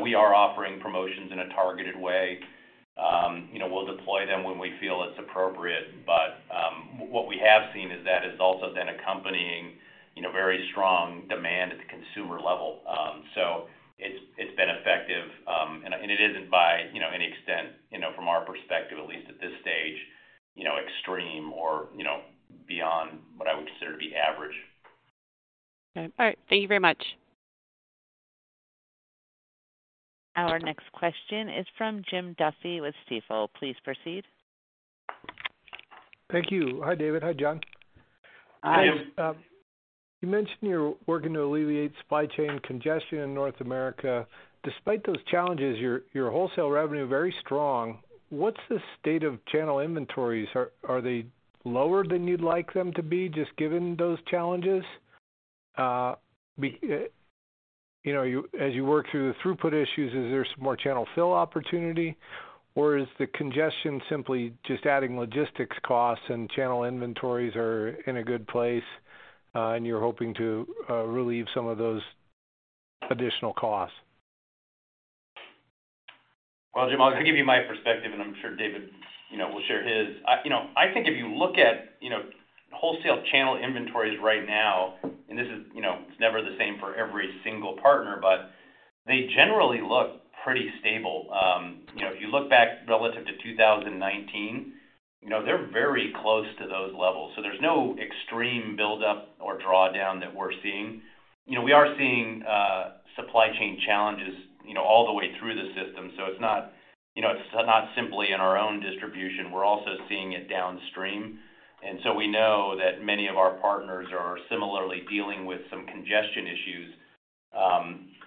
We are offering promotions in a targeted way. You know, we'll deploy them when we feel it's appropriate. What we have seen is that it's also been accompanying, you know, very strong demand at the consumer level. It's been effective, and it isn't by, you know, any extent, you know, from our perspective, at least at this stage, you know, extreme or, you know, beyond what I would consider to be average. Okay. All right. Thank you very much. Our next question is from Jim Duffy with Stifel. Please proceed. Thank you. Hi, David. Hi, John. Hi. You mentioned you're working to alleviate supply chain congestion in North America. Despite those challenges, your wholesale revenue is very strong. What's the state of channel inventories? Are they lower than you'd like them to be, just given those challenges? You know, as you work through the throughput issues, is there some more channel fill opportunity? Or is the congestion simply just adding logistics costs and channel inventories are in a good place, and you're hoping to relieve some of those additional costs? Well, Jim, I'll give you my perspective, and I'm sure David, you know, will share his. You know, I think if you look at, you know, wholesale channel inventories right now, and this is, you know, it's never the same for every single partner, but they generally look pretty stable. You know, if you look back relative to 2019, you know, they're very close to those levels. So there's no extreme buildup or drawdown that we're seeing. You know, we are seeing supply chain challenges, you know, all the way through the system. So it's not, you know, it's not simply in our own distribution. We're also seeing it downstream. We know that many of our partners are similarly dealing with some congestion issues.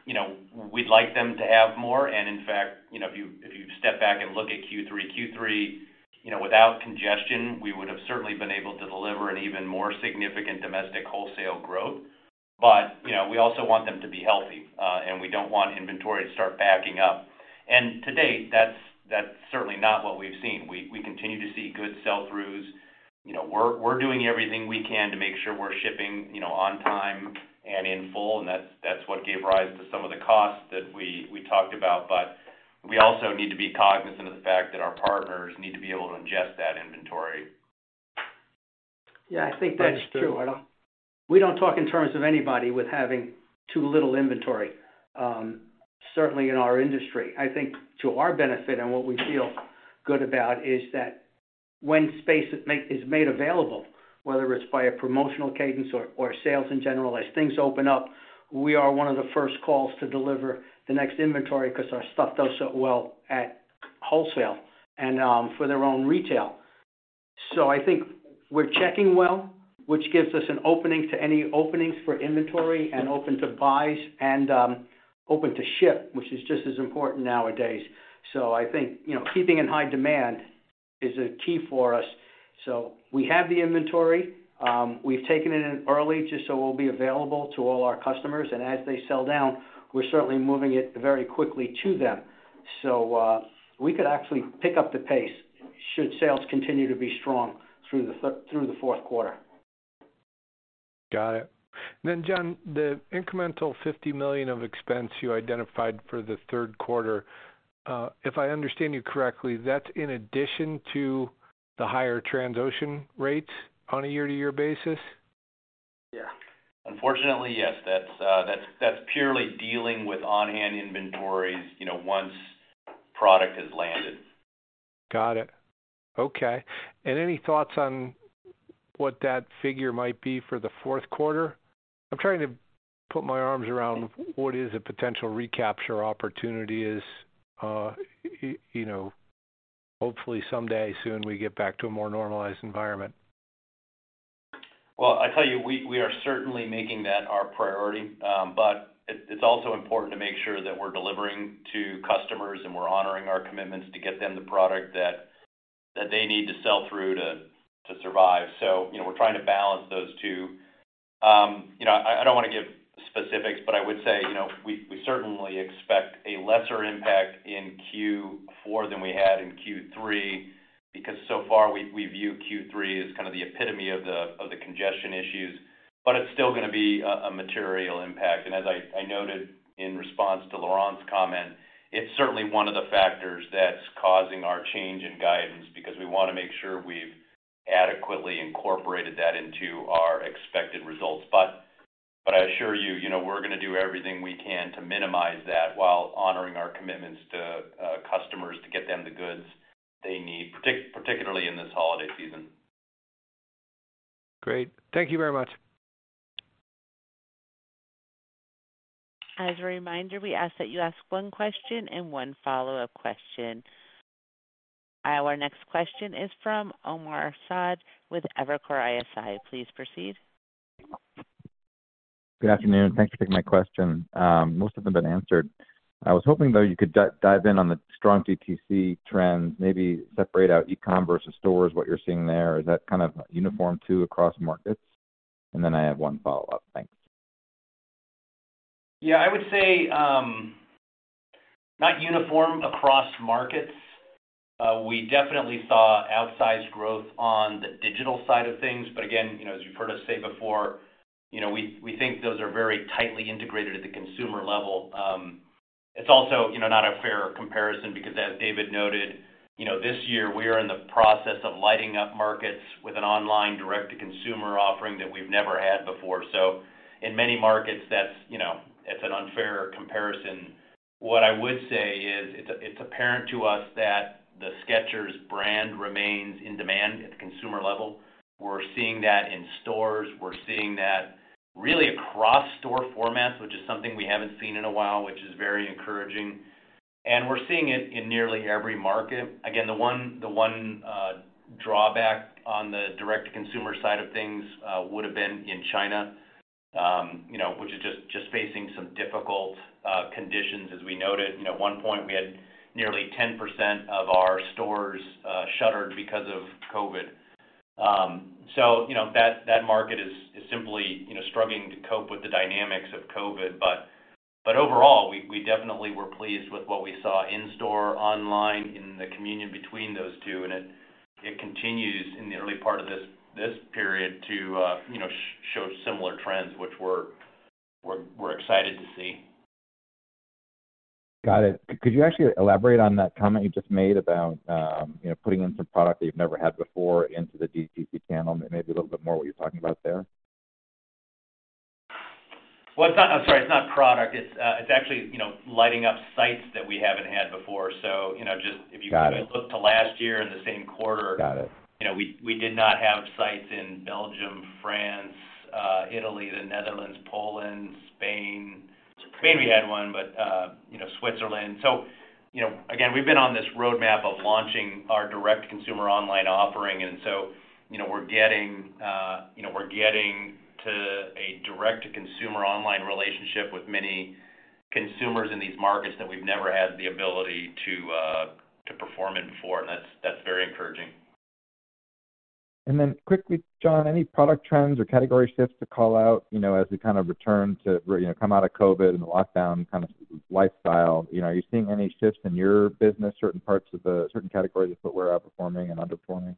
You know, we'd like them to have more. In fact, you know, if you step back and look at Q3, you know, without congestion, we would have certainly been able to deliver an even more significant domestic wholesale growth. You know, we also want them to be healthy, and we don't want inventory to start backing up. To date, that's certainly not what we've seen. We continue to see good sell-throughs. You know, we're doing everything we can to make sure we're shipping, you know, on time and in full. That's what gave rise to some of the costs that we talked about. We also need to be cognizant of the fact that our partners need to be able to ingest that inventory. Yeah, I think that's true. We don't talk in terms of anybody with having too little inventory, certainly in our industry. I think to our benefit, and what we feel good about is that when space is made available, whether it's by a promotional cadence or sales in general, as things open up, we are one of the first calls to deliver the next inventory because our stuff does so well at wholesale and for their own retail. I think we're checking well, which gives us an opening to any openings for inventory and open to buys and open to ship, which is just as important nowadays. I think, you know, keeping in high demand is a key for us. We have the inventory. We've taken it in early just so it will be available to all our customers. As they sell down, we're certainly moving it very quickly to them. We could actually pick up the pace should sales continue to be strong through the fourth quarter. Got it. John, the incremental $50 million of expense you identified for the third quarter, if I understand you correctly, that's in addition to the higher ocean rates on a year-over-year basis? Yeah. Unfortunately, yes. That's purely dealing with on-hand inventories, you know, once product has landed. Got it. Okay. Any thoughts on what that figure might be for the fourth quarter? I'm trying to put my arms around what is a potential recapture opportunity as, you know, hopefully someday soon we get back to a more normalized environment. Well, I tell you, we are certainly making that our priority. It's also important to make sure that we're delivering to customers and we're honoring our commitments to get them the product that they need to sell through to survive. You know, we're trying to balance those two. You know, I don't wanna give specifics, but I would say, you know, we certainly expect a lesser impact in Q4 than we had in Q3, because so far we view Q3 as kind of the epitome of the congestion issues. It's still gonna be a material impact. As I noted in response to Laurent's comment, it's certainly one of the factors that's causing our change in guidance because we wanna make sure we've adequately incorporated that into our expected results. I assure you know, we're gonna do everything we can to minimize that while honoring our commitments to customers to get them the goods they need, particularly in this holiday season. Great. Thank you very much. As a reminder, we ask that you ask one question and one follow-up question. Our next question is from Omar Saad with Evercore ISI. Please proceed. Good afternoon. Thanks for taking my question. Most of them have been answered. I was hoping, though, you could dive in on the strong DTC trends, maybe separate out e-commerce or stores, what you're seeing there. Is that kind of uniform too across markets? And then I have one follow-up. Thanks. Yeah. I would say not uniform across markets. We definitely saw outsized growth on the digital side of things, but again, you know, as you've heard us say before, you know, we think those are very tightly integrated at the consumer level. It's also, you know, not a fair comparison because as David noted, you know, this year we are in the process of lighting up markets with an online direct-to-consumer offering that we've never had before. So in many markets that's, you know, it's an unfair comparison. What I would say is it's apparent to us that the Skechers brand remains in demand at the consumer level. We're seeing that in stores. We're seeing that really across store formats, which is something we haven't seen in a while, which is very encouraging. We're seeing it in nearly every market. Again, the one drawback on the direct-to-consumer side of things would have been in China, you know, which is just facing some difficult conditions as we noted. You know, at one point, we had nearly 10% of our stores shuttered because of COVID. You know, that market is simply struggling to cope with the dynamics of COVID. Overall, we definitely were pleased with what we saw in store, online, in the communion between those two, and it continues in the early part of this period to, you know, show similar trends, which we're excited to see. Got it. Could you actually elaborate on that comment you just made about, you know, putting in some product that you've never had before into the DTC channel? Maybe a little bit more what you're talking about there. It's not product. It's actually, you know, lighting up sites that we haven't had before. You know, just if you- Got it. Look to last year in the same quarter. Got it. You know, we did not have sites in Belgium, France, Italy, the Netherlands, Poland, Spain. We had one, but you know, Switzerland. You know, again, we've been on this roadmap of launching our direct-to-consumer online offering, and so, you know, we're getting to a direct-to-consumer online relationship with many consumers in these markets that we've never had the ability to perform in before, and that's very encouraging. Quickly, John, any product trends or category shifts to call out, you know, as we kind of return to or, you know, come out of COVID and the lockdown kind of lifestyle? You know, are you seeing any shifts in your business, certain categories that were outperforming and underperforming?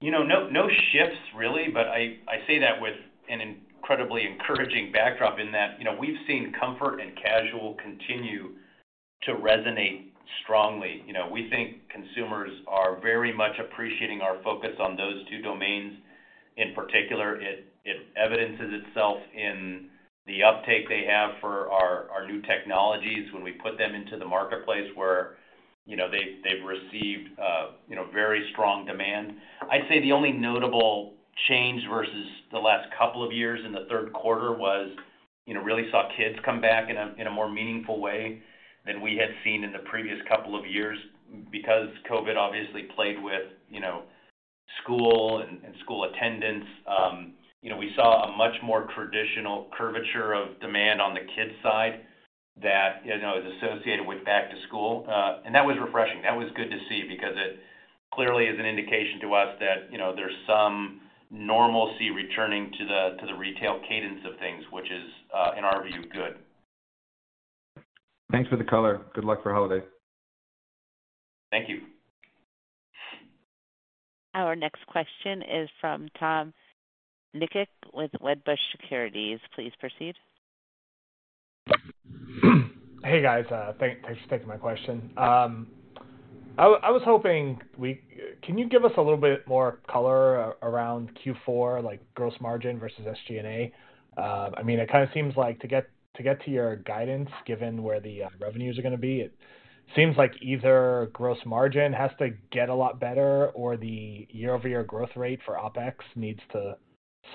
You know, no shifts really, but I say that with an incredibly encouraging backdrop in that, you know, we've seen comfort and casual continue to resonate strongly. You know, we think consumers are very much appreciating our focus on those two domains. In particular, it evidences itself in the uptake they have for our new technologies when we put them into the marketplace where, you know, they've received very strong demand. I'd say the only notable change versus the last couple of years in the third quarter was, you know, really saw kids come back in a more meaningful way than we had seen in the previous couple of years because COVID obviously played with, you know, school and school attendance. You know, we saw a much more traditional curvature of demand on the kids side that, you know, is associated with back to school. That was refreshing. That was good to see because it clearly is an indication to us that, you know, there's some normalcy returning to the retail cadence of things, which is, in our view, good. Thanks for the color. Good luck for holiday. Thank you. Our next question is from Tom Nikic with Wedbush Securities. Please proceed. Hey, guys. Thanks for taking my question. I was hoping can you give us a little bit more color around Q4, like gross margin versus SG&A? I mean, it kinda seems like to get to your guidance, given where the revenues are gonna be, it seems like either gross margin has to get a lot better or the year-over-year growth rate for OpEx needs to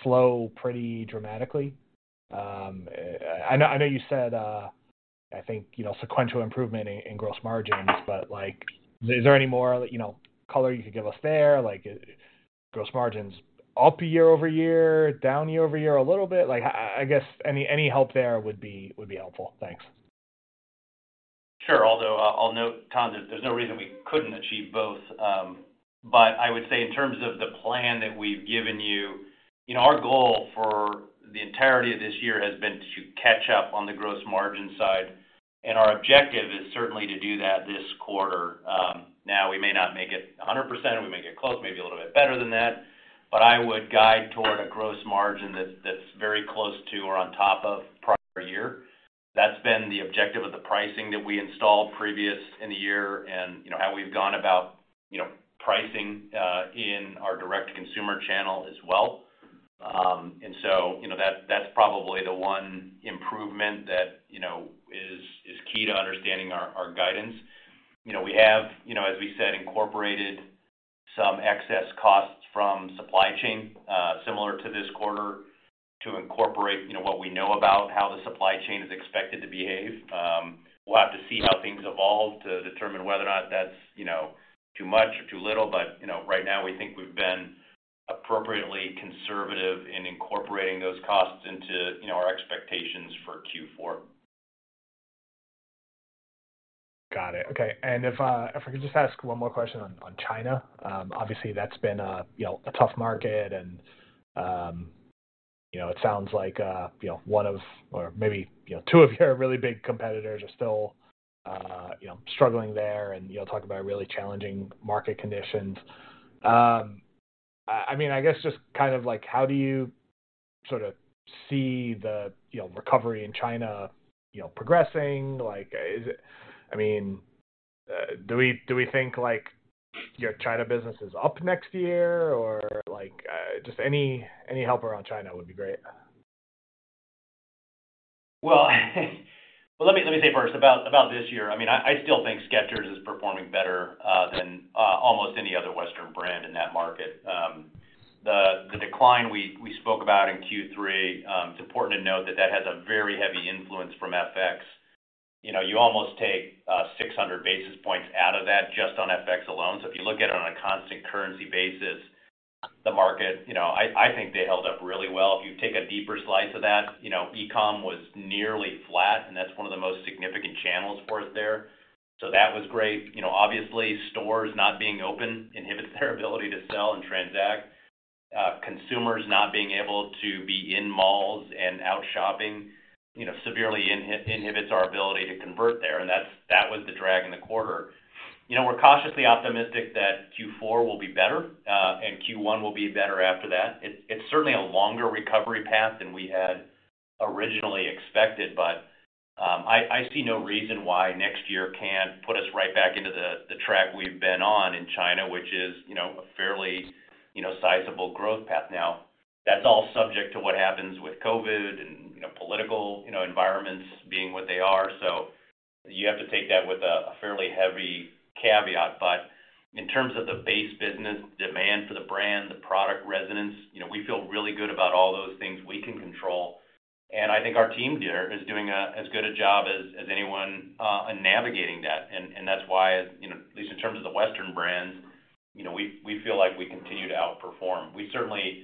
slow pretty dramatically. I know you said, I think, you know, sequential improvement in gross margins, but, like, is there any more, you know, color you could give us there, like, gross margins up year-over-year, down year-over-year a little bit? Like, I guess any help there would be helpful. Thanks. Sure. Although I'll note, Tom, that there's no reason we couldn't achieve both. I would say in terms of the plan that we've given you know, our goal for the entirety of this year has been to catch up on the gross margin side, and our objective is certainly to do that this quarter. Now we may not make it 100% or we may get close, maybe a little bit better than that, but I would guide toward a gross margin that's very close to or on top of prior year. That's been the objective of the pricing that we installed previously in the year and, you know, how we've gone about, you know, pricing in our direct consumer channel as well. You know, that's probably the one improvement that, you know, is key to understanding our guidance. You know, we have, you know, as we said, incorporated some excess costs from supply chain similar to this quarter to incorporate, you know, what we know about how the supply chain is expected to behave. We'll have to see how things evolve to determine whether or not that's, you know, too much or too little. You know, right now, we think we've been appropriately conservative in incorporating those costs into, you know, our expectations for Q4. Got it. Okay. If I could just ask one more question on China. Obviously, that's been, you know, a tough market and, you know, it sounds like, you know, one or maybe, you know, two of your really big competitors are still, you know, struggling there and, you know, talk about really challenging market conditions. I mean, I guess just kind of like how do you sorta see the, you know, recovery in China, you know, progressing? Like is it I mean, do we think, like, your China business is up next year or like, just any help around China would be great? Well, let me say first about this year. I mean, I still think Skechers is performing better than almost any other Western brand in that market. The decline we spoke about in Q3, it's important to note that has a very heavy influence from FX. You know, you almost take 600 basis points out of that just on FX alone. If you look at it on a constant currency basis, the market, you know, I think they held up really well. If you take a deeper slice of that, you know, e-com was nearly flat, and that's one of the most significant channels for us there. That was great. You know, obviously stores not being open inhibits their ability to sell and transact. Consumers not being able to be in malls and out shopping, you know, severely inhibits our ability to convert there, and that was the drag in the quarter. You know, we're cautiously optimistic that Q4 will be better, and Q1 will be better after that. It's certainly a longer recovery path than we had originally expected. I see no reason why next year can't put us right back into the track we've been on in China, which is, you know, a fairly sizable growth path. Now, that's all subject to what happens with COVID and, you know, political environments being what they are. You have to take that with a fairly heavy caveat. In terms of the base business, demand for the brand, the product resonance, you know, we feel really good about all those things we can control. I think our team there is doing as good a job as anyone in navigating that. That's why, you know, at least in terms of the Western brands, you know, we feel like we continue to outperform. We certainly,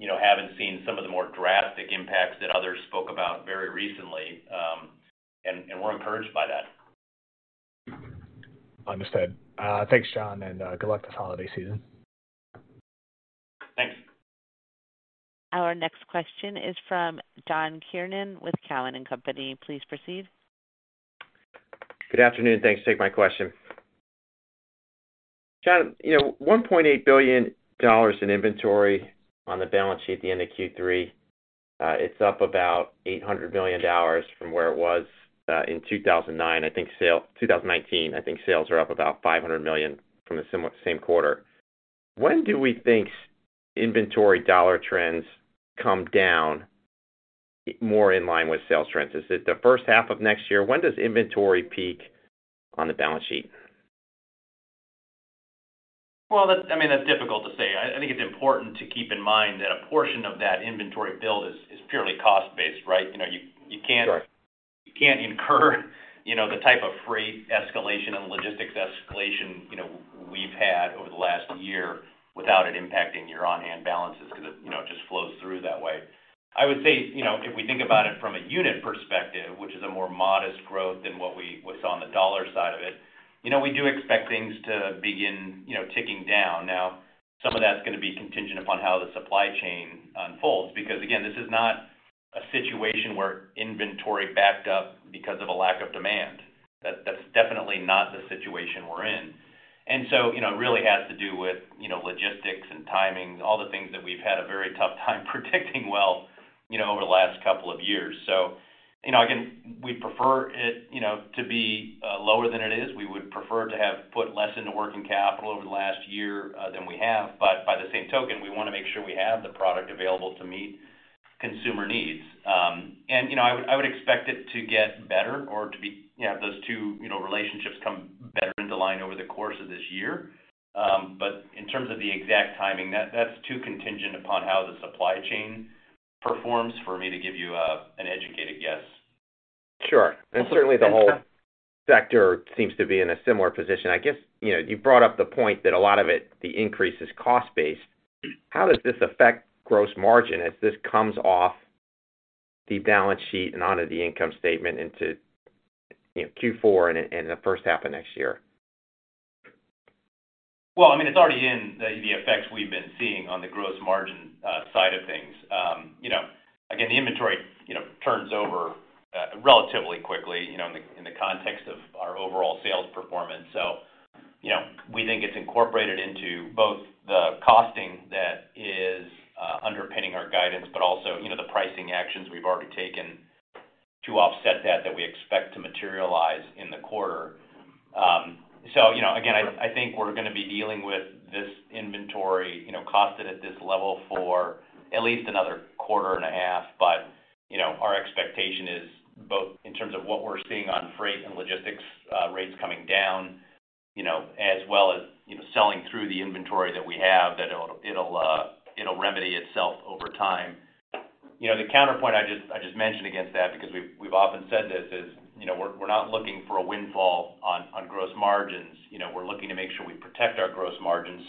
you know, haven't seen some of the more drastic impacts that others spoke about very recently. We're encouraged by that. Understood. Thanks, John, and good luck this holiday season. Thanks. Our next question is from John Kernan with Cowen and Company. Please proceed. Good afternoon. Thanks. Take my question. John, you know, $1.8 billion in inventory on the balance sheet at the end of Q3. It's up about $800 million from where it was in 2019. I think sales are up about $500 million from the same quarter. When do we think inventory dollar trends come down more in line with sales trends? Is it the first half of next year? When does inventory peak on the balance sheet? Well, I mean, that's difficult to say. I think it's important to keep in mind that a portion of that inventory build is purely cost-based, right? You know, you can't- Sure. You can't incur, you know, the type of freight escalation and logistics escalation, you know, we've had over the last year without it impacting your on-hand balances 'cause it, you know, it just flows through that way. I would say, you know, if we think about it from a unit perspective, which is a more modest growth than what's on the dollar side of it, you know, we do expect things to begin, you know, ticking down. Now, some of that's gonna be contingent upon how the supply chain unfolds. Because again, this is not a situation where inventory backed up because of a lack of demand. That's definitely not the situation we're in. You know, it really has to do with, you know, logistics and timing, all the things that we've had a very tough time predicting well, you know, over the last couple of years. You know, again, we'd prefer it, you know, to be lower than it is. We would prefer to have put less into working capital over the last year than we have. But by the same token, we wanna make sure we have the product available to meet consumer needs. And, you know, I would expect it to get better or to be. You know, those two relationships come better into line over the course of this year. But in terms of the exact timing, that's too contingent upon how the supply chain performs for me to give you an educated guess. Sure. Certainly the whole sector seems to be in a similar position. I guess, you know, you brought up the point that a lot of it, the increase is cost-based. How does this affect gross margin as this comes off the balance sheet and onto the income statement into, you know, Q4 and the first half of next year? Well, I mean, it's already in the effects we've been seeing on the gross margin side of things. You know, again, the inventory you know turns over relatively quickly you know in the context of our overall sales performance. You know, we think it's incorporated into both the costing that is underpinning our guidance, but also you know the pricing actions we've already taken to offset that we expect to materialize in the quarter. You know, again, I think we're gonna be dealing with this inventory you know costed at this level for at least another quarter and a half. You know, our expectation is both in terms of what we're seeing on freight and logistics, rates coming down, you know, as well as, you know, selling through the inventory that we have, that it'll remedy itself over time. You know, the counterpoint I just mentioned against that, because we've often said this, is, you know, we're not looking for a windfall on gross margins. You know, we're looking to make sure we protect our gross margins.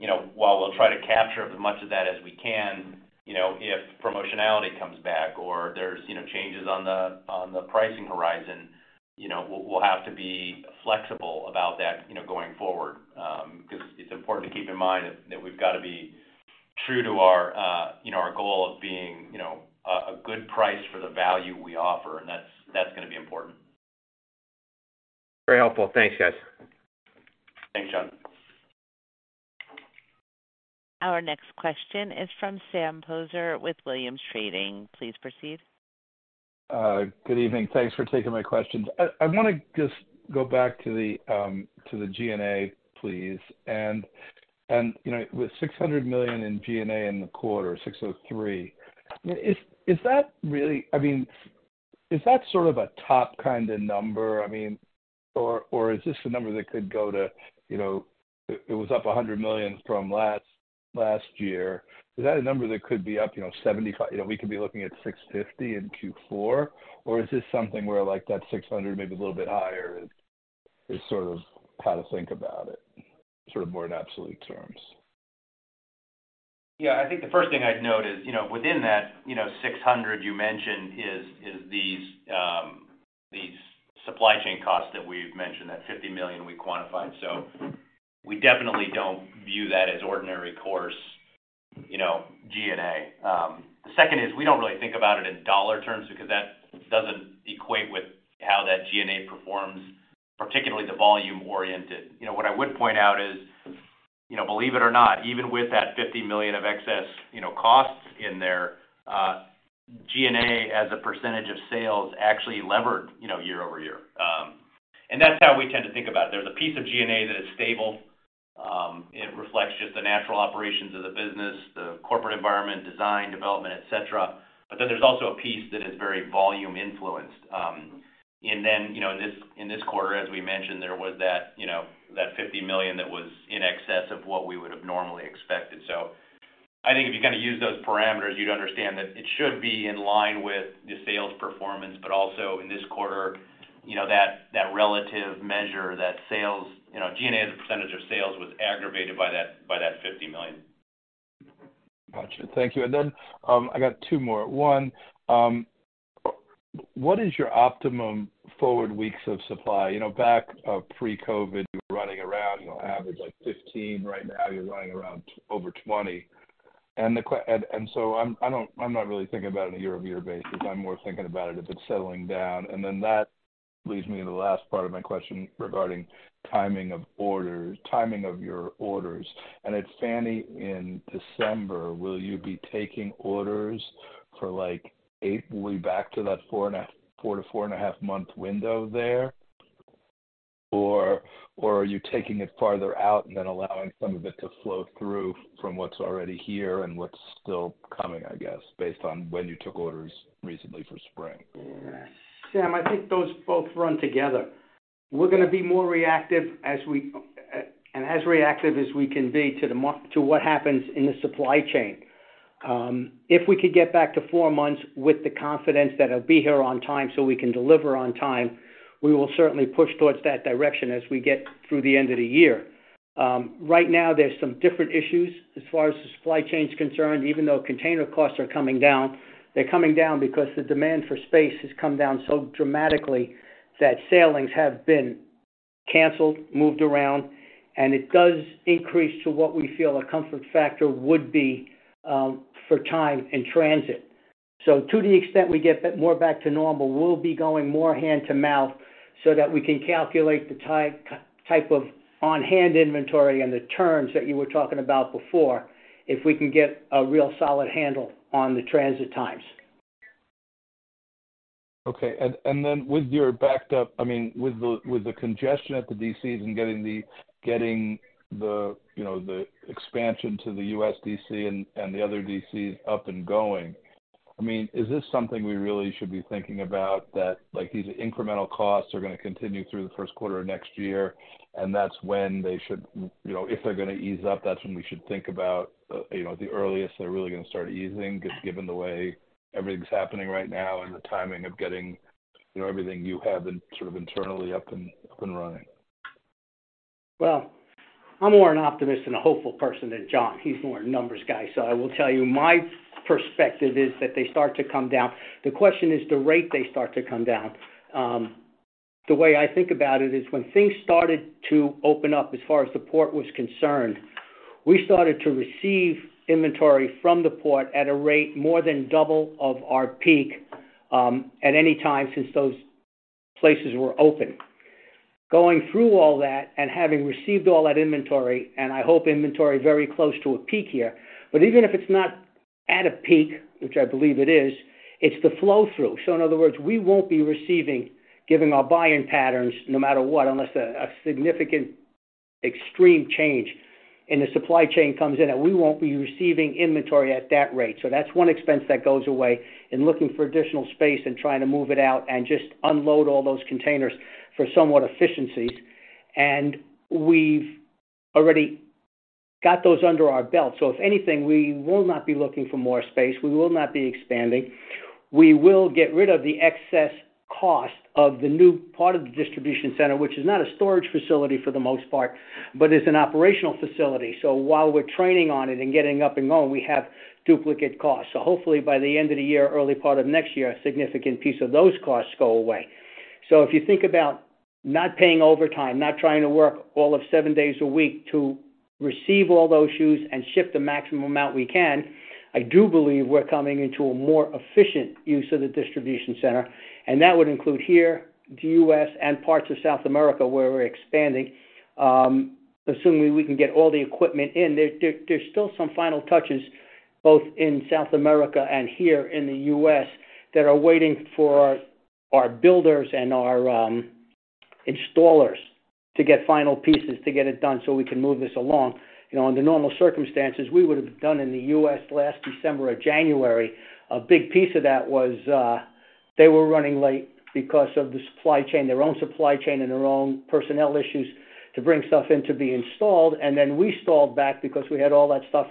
You know, while we'll try to capture as much of that as we can, you know, if promotionality comes back or there's changes on the pricing horizon, you know, we'll have to be flexible about that, you know, going forward. 'Cause it's important to keep in mind that we've gotta be true to our, you know, our goal of being, you know, a good price for the value we offer. That's gonna be important. Very helpful. Thanks, guys. Thanks, John. Our next question is from Sam Poser with Williams Trading. Please proceed. Good evening. Thanks for taking my questions. I wanna just go back to the G&A, please. You know, with $600 million in G&A in the quarter, 603, is that really. I mean, is that sort of a top kinda number. I mean. Or is this a number that could go to, you know? It was up $100 million from last year. Is that a number that could be up, you know, 75. You know, we could be looking at $650 in Q4, or is this something where, like, that $600 maybe a little bit higher is sort of how to think about it, sort of more in absolute terms? Yeah. I think the first thing I'd note is, you know, within that, you know, $600 million you mentioned is these supply chain costs that we've mentioned, that $50 million we quantified. So we definitely don't view that as ordinary course, you know, G&A. The second is we don't really think about it in dollar terms because that doesn't equate with how that G&A performs, particularly the volume oriented. You know, what I would point out is, you know, believe it or not, even with that $50 million of excess, you know, costs in there, G&A as a percentage of sales actually levered, you know, year-over-year. That's how we tend to think about it. There's a piece of G&A that is stable, it reflects just the natural operations of the business, the corporate environment, design, development, et cetera. There's also a piece that is very volume influenced. In this quarter, as we mentioned, there was that $50 million that was in excess of what we would have normally expected. I think if you kinda use those parameters, you'd understand that it should be in line with the sales performance, but also in this quarter, that relative measure, that sales G&A as a percentage of sales was aggravated by that $50 million. Gotcha. Thank you. Then, I got two more. One, what is your optimum forward weeks of supply? You know, back pre-COVID, you were running around, you know, average like 15. Right now you're running around over 20. And so I'm not really thinking about it on a year-over-year basis. I'm more thinking about it if it's settling down. Then that leads me to the last part of my question regarding timing of orders, timing of your orders. At FFANY in December, will you be back to that four to four and a half month window there? Are you taking it farther out and then allowing some of it to flow through from what's already here and what's still coming, I guess, based on when you took orders recently for spring? Sam, I think those both run together. We're gonna be more reactive, and as reactive as we can be to what happens in the supply chain. If we could get back to four months with the confidence that it'll be here on time, so we can deliver on time, we will certainly push towards that direction as we get through the end of the year. Right now there's some different issues as far as the supply chain is concerned. Even though container costs are coming down, they're coming down because the demand for space has come down so dramatically that sailings have been canceled, moved around, and it does increase to what we feel a comfort factor would be, for time in transit. To the extent we get back more to normal, we'll be going more hand to mouth so that we can calculate the type of on-hand inventory and the terms that you were talking about before, if we can get a real solid handle on the transit times. With the congestion at the DCs and getting the you know, the expansion to the U.S. DC and the other DCs up and going, I mean, is this something we really should be thinking about that, like, these incremental costs are gonna continue through the first quarter of next year, and that's when they should, you know, if they're gonna ease up, that's when we should think about, you know, the earliest they're really gonna start easing given the way everything's happening right now and the timing of getting, you know, everything you have sort of internally up and running? Well, I'm more an optimist and a hopeful person than John. He's more a numbers guy. I will tell you, my perspective is that they start to come down. The question is the rate they start to come down. The way I think about it is when things started to open up, as far as the port was concerned, we started to receive inventory from the port at a rate more than double of our peak, at any time since those places were open. Going through all that and having received all that inventory, and I hope inventory is very close to a peak here, but even if it's not at a peak, which I believe it is, it's the flow-through. In other words, we won't be receiving, given our buying patterns, no matter what, unless a significant extreme change in the supply chain comes in, and we won't be receiving inventory at that rate. That's one expense that goes away in looking for additional space and trying to move it out and just unload all those containers for some efficiencies. We've already got those under our belt. If anything, we will not be looking for more space. We will not be expanding. We will get rid of the excess cost of the new part of the distribution center, which is not a storage facility for the most part, but is an operational facility. While we're training on it and getting up and running, we have duplicate costs. Hopefully, by the end of the year, early part of next year, a significant piece of those costs go away. If you think about not paying overtime, not trying to work all of seven days a week to receive all those shoes and ship the maximum amount we can, I do believe we're coming into a more efficient use of the distribution center, and that would include here, the U.S., and parts of South America where we're expanding, assuming we can get all the equipment in. There's still some final touches, both in South America and here in the U.S., that are waiting for our builders and our installers to get final pieces to get it done so we can move this along. You know, under normal circumstances, we would have done in the U.S. last December or January. A big piece of that was, they were running late because of the supply chain, their own supply chain and their own personnel issues to bring stuff in to be installed. We stalled back because we had all that stuff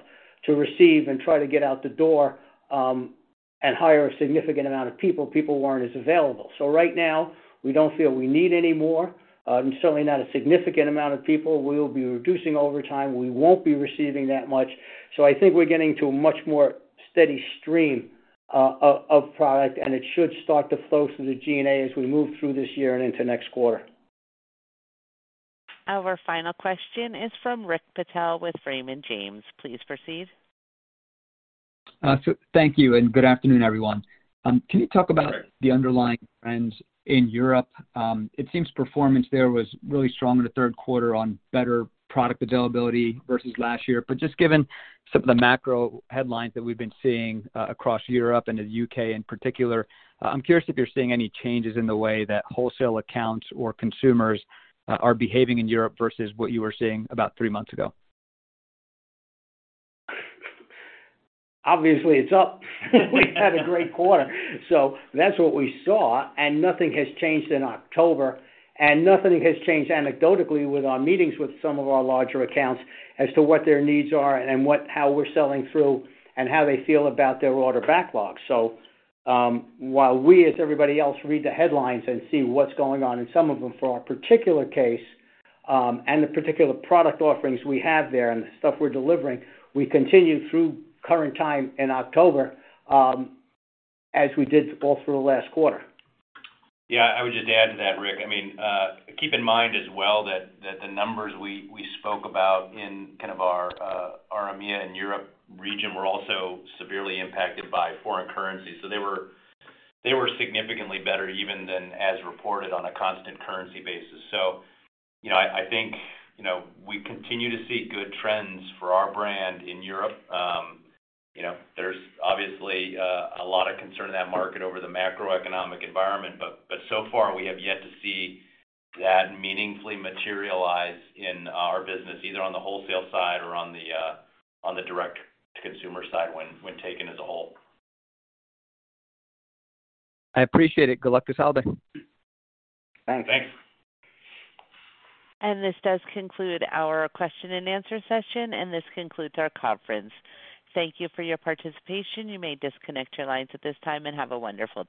to receive and try to get out the door, and hire a significant amount of people. People weren't as available. Right now, we don't feel we need any more, certainly not a significant amount of people. We will be reducing overtime. We won't be receiving that much. I think we're getting to a much more steady stream of product, and it should start to flow through the G&A as we move through this year and into next quarter. Our final question is from Rick Patel with Raymond James. Please proceed. Thank you, and good afternoon, everyone. Can you talk about the underlying trends in Europe? It seems performance there was really strong in the third quarter on better product availability versus last year. Just given some of the macro headlines that we've been seeing, across Europe and the U.K. in particular, I'm curious if you're seeing any changes in the way that wholesale accounts or consumers are behaving in Europe versus what you were seeing about three months ago. Obviously, it's up. We had a great quarter, so that's what we saw. Nothing has changed in October, and nothing has changed anecdotally with our meetings with some of our larger accounts as to what their needs are and how we're selling through and how they feel about their order backlog. While we, as everybody else, read the headlines and see what's going on in some of them, for our particular case, and the particular product offerings we have there and the stuff we're delivering, we continue through current time in October, as we did all through last quarter. Yeah, I would just add to that, Rick. I mean, keep in mind as well that the numbers we spoke about in kind of our EMEA and Europe region were also severely impacted by foreign currency. So they were significantly better even than as reported on a constant currency basis. So, you know, I think, you know, we continue to see good trends for our brand in Europe. You know, there's obviously a lot of concern in that market over the macroeconomic environment, but so far we have yet to see that meaningfully materialize in our business, either on the wholesale side or on the direct-to-consumer side when taken as a whole. I appreciate it. Good luck this holiday. Thanks. Thanks. This does conclude our question and answer session, and this concludes our conference. Thank you for your participation. You may disconnect your lines at this time, and have a wonderful day.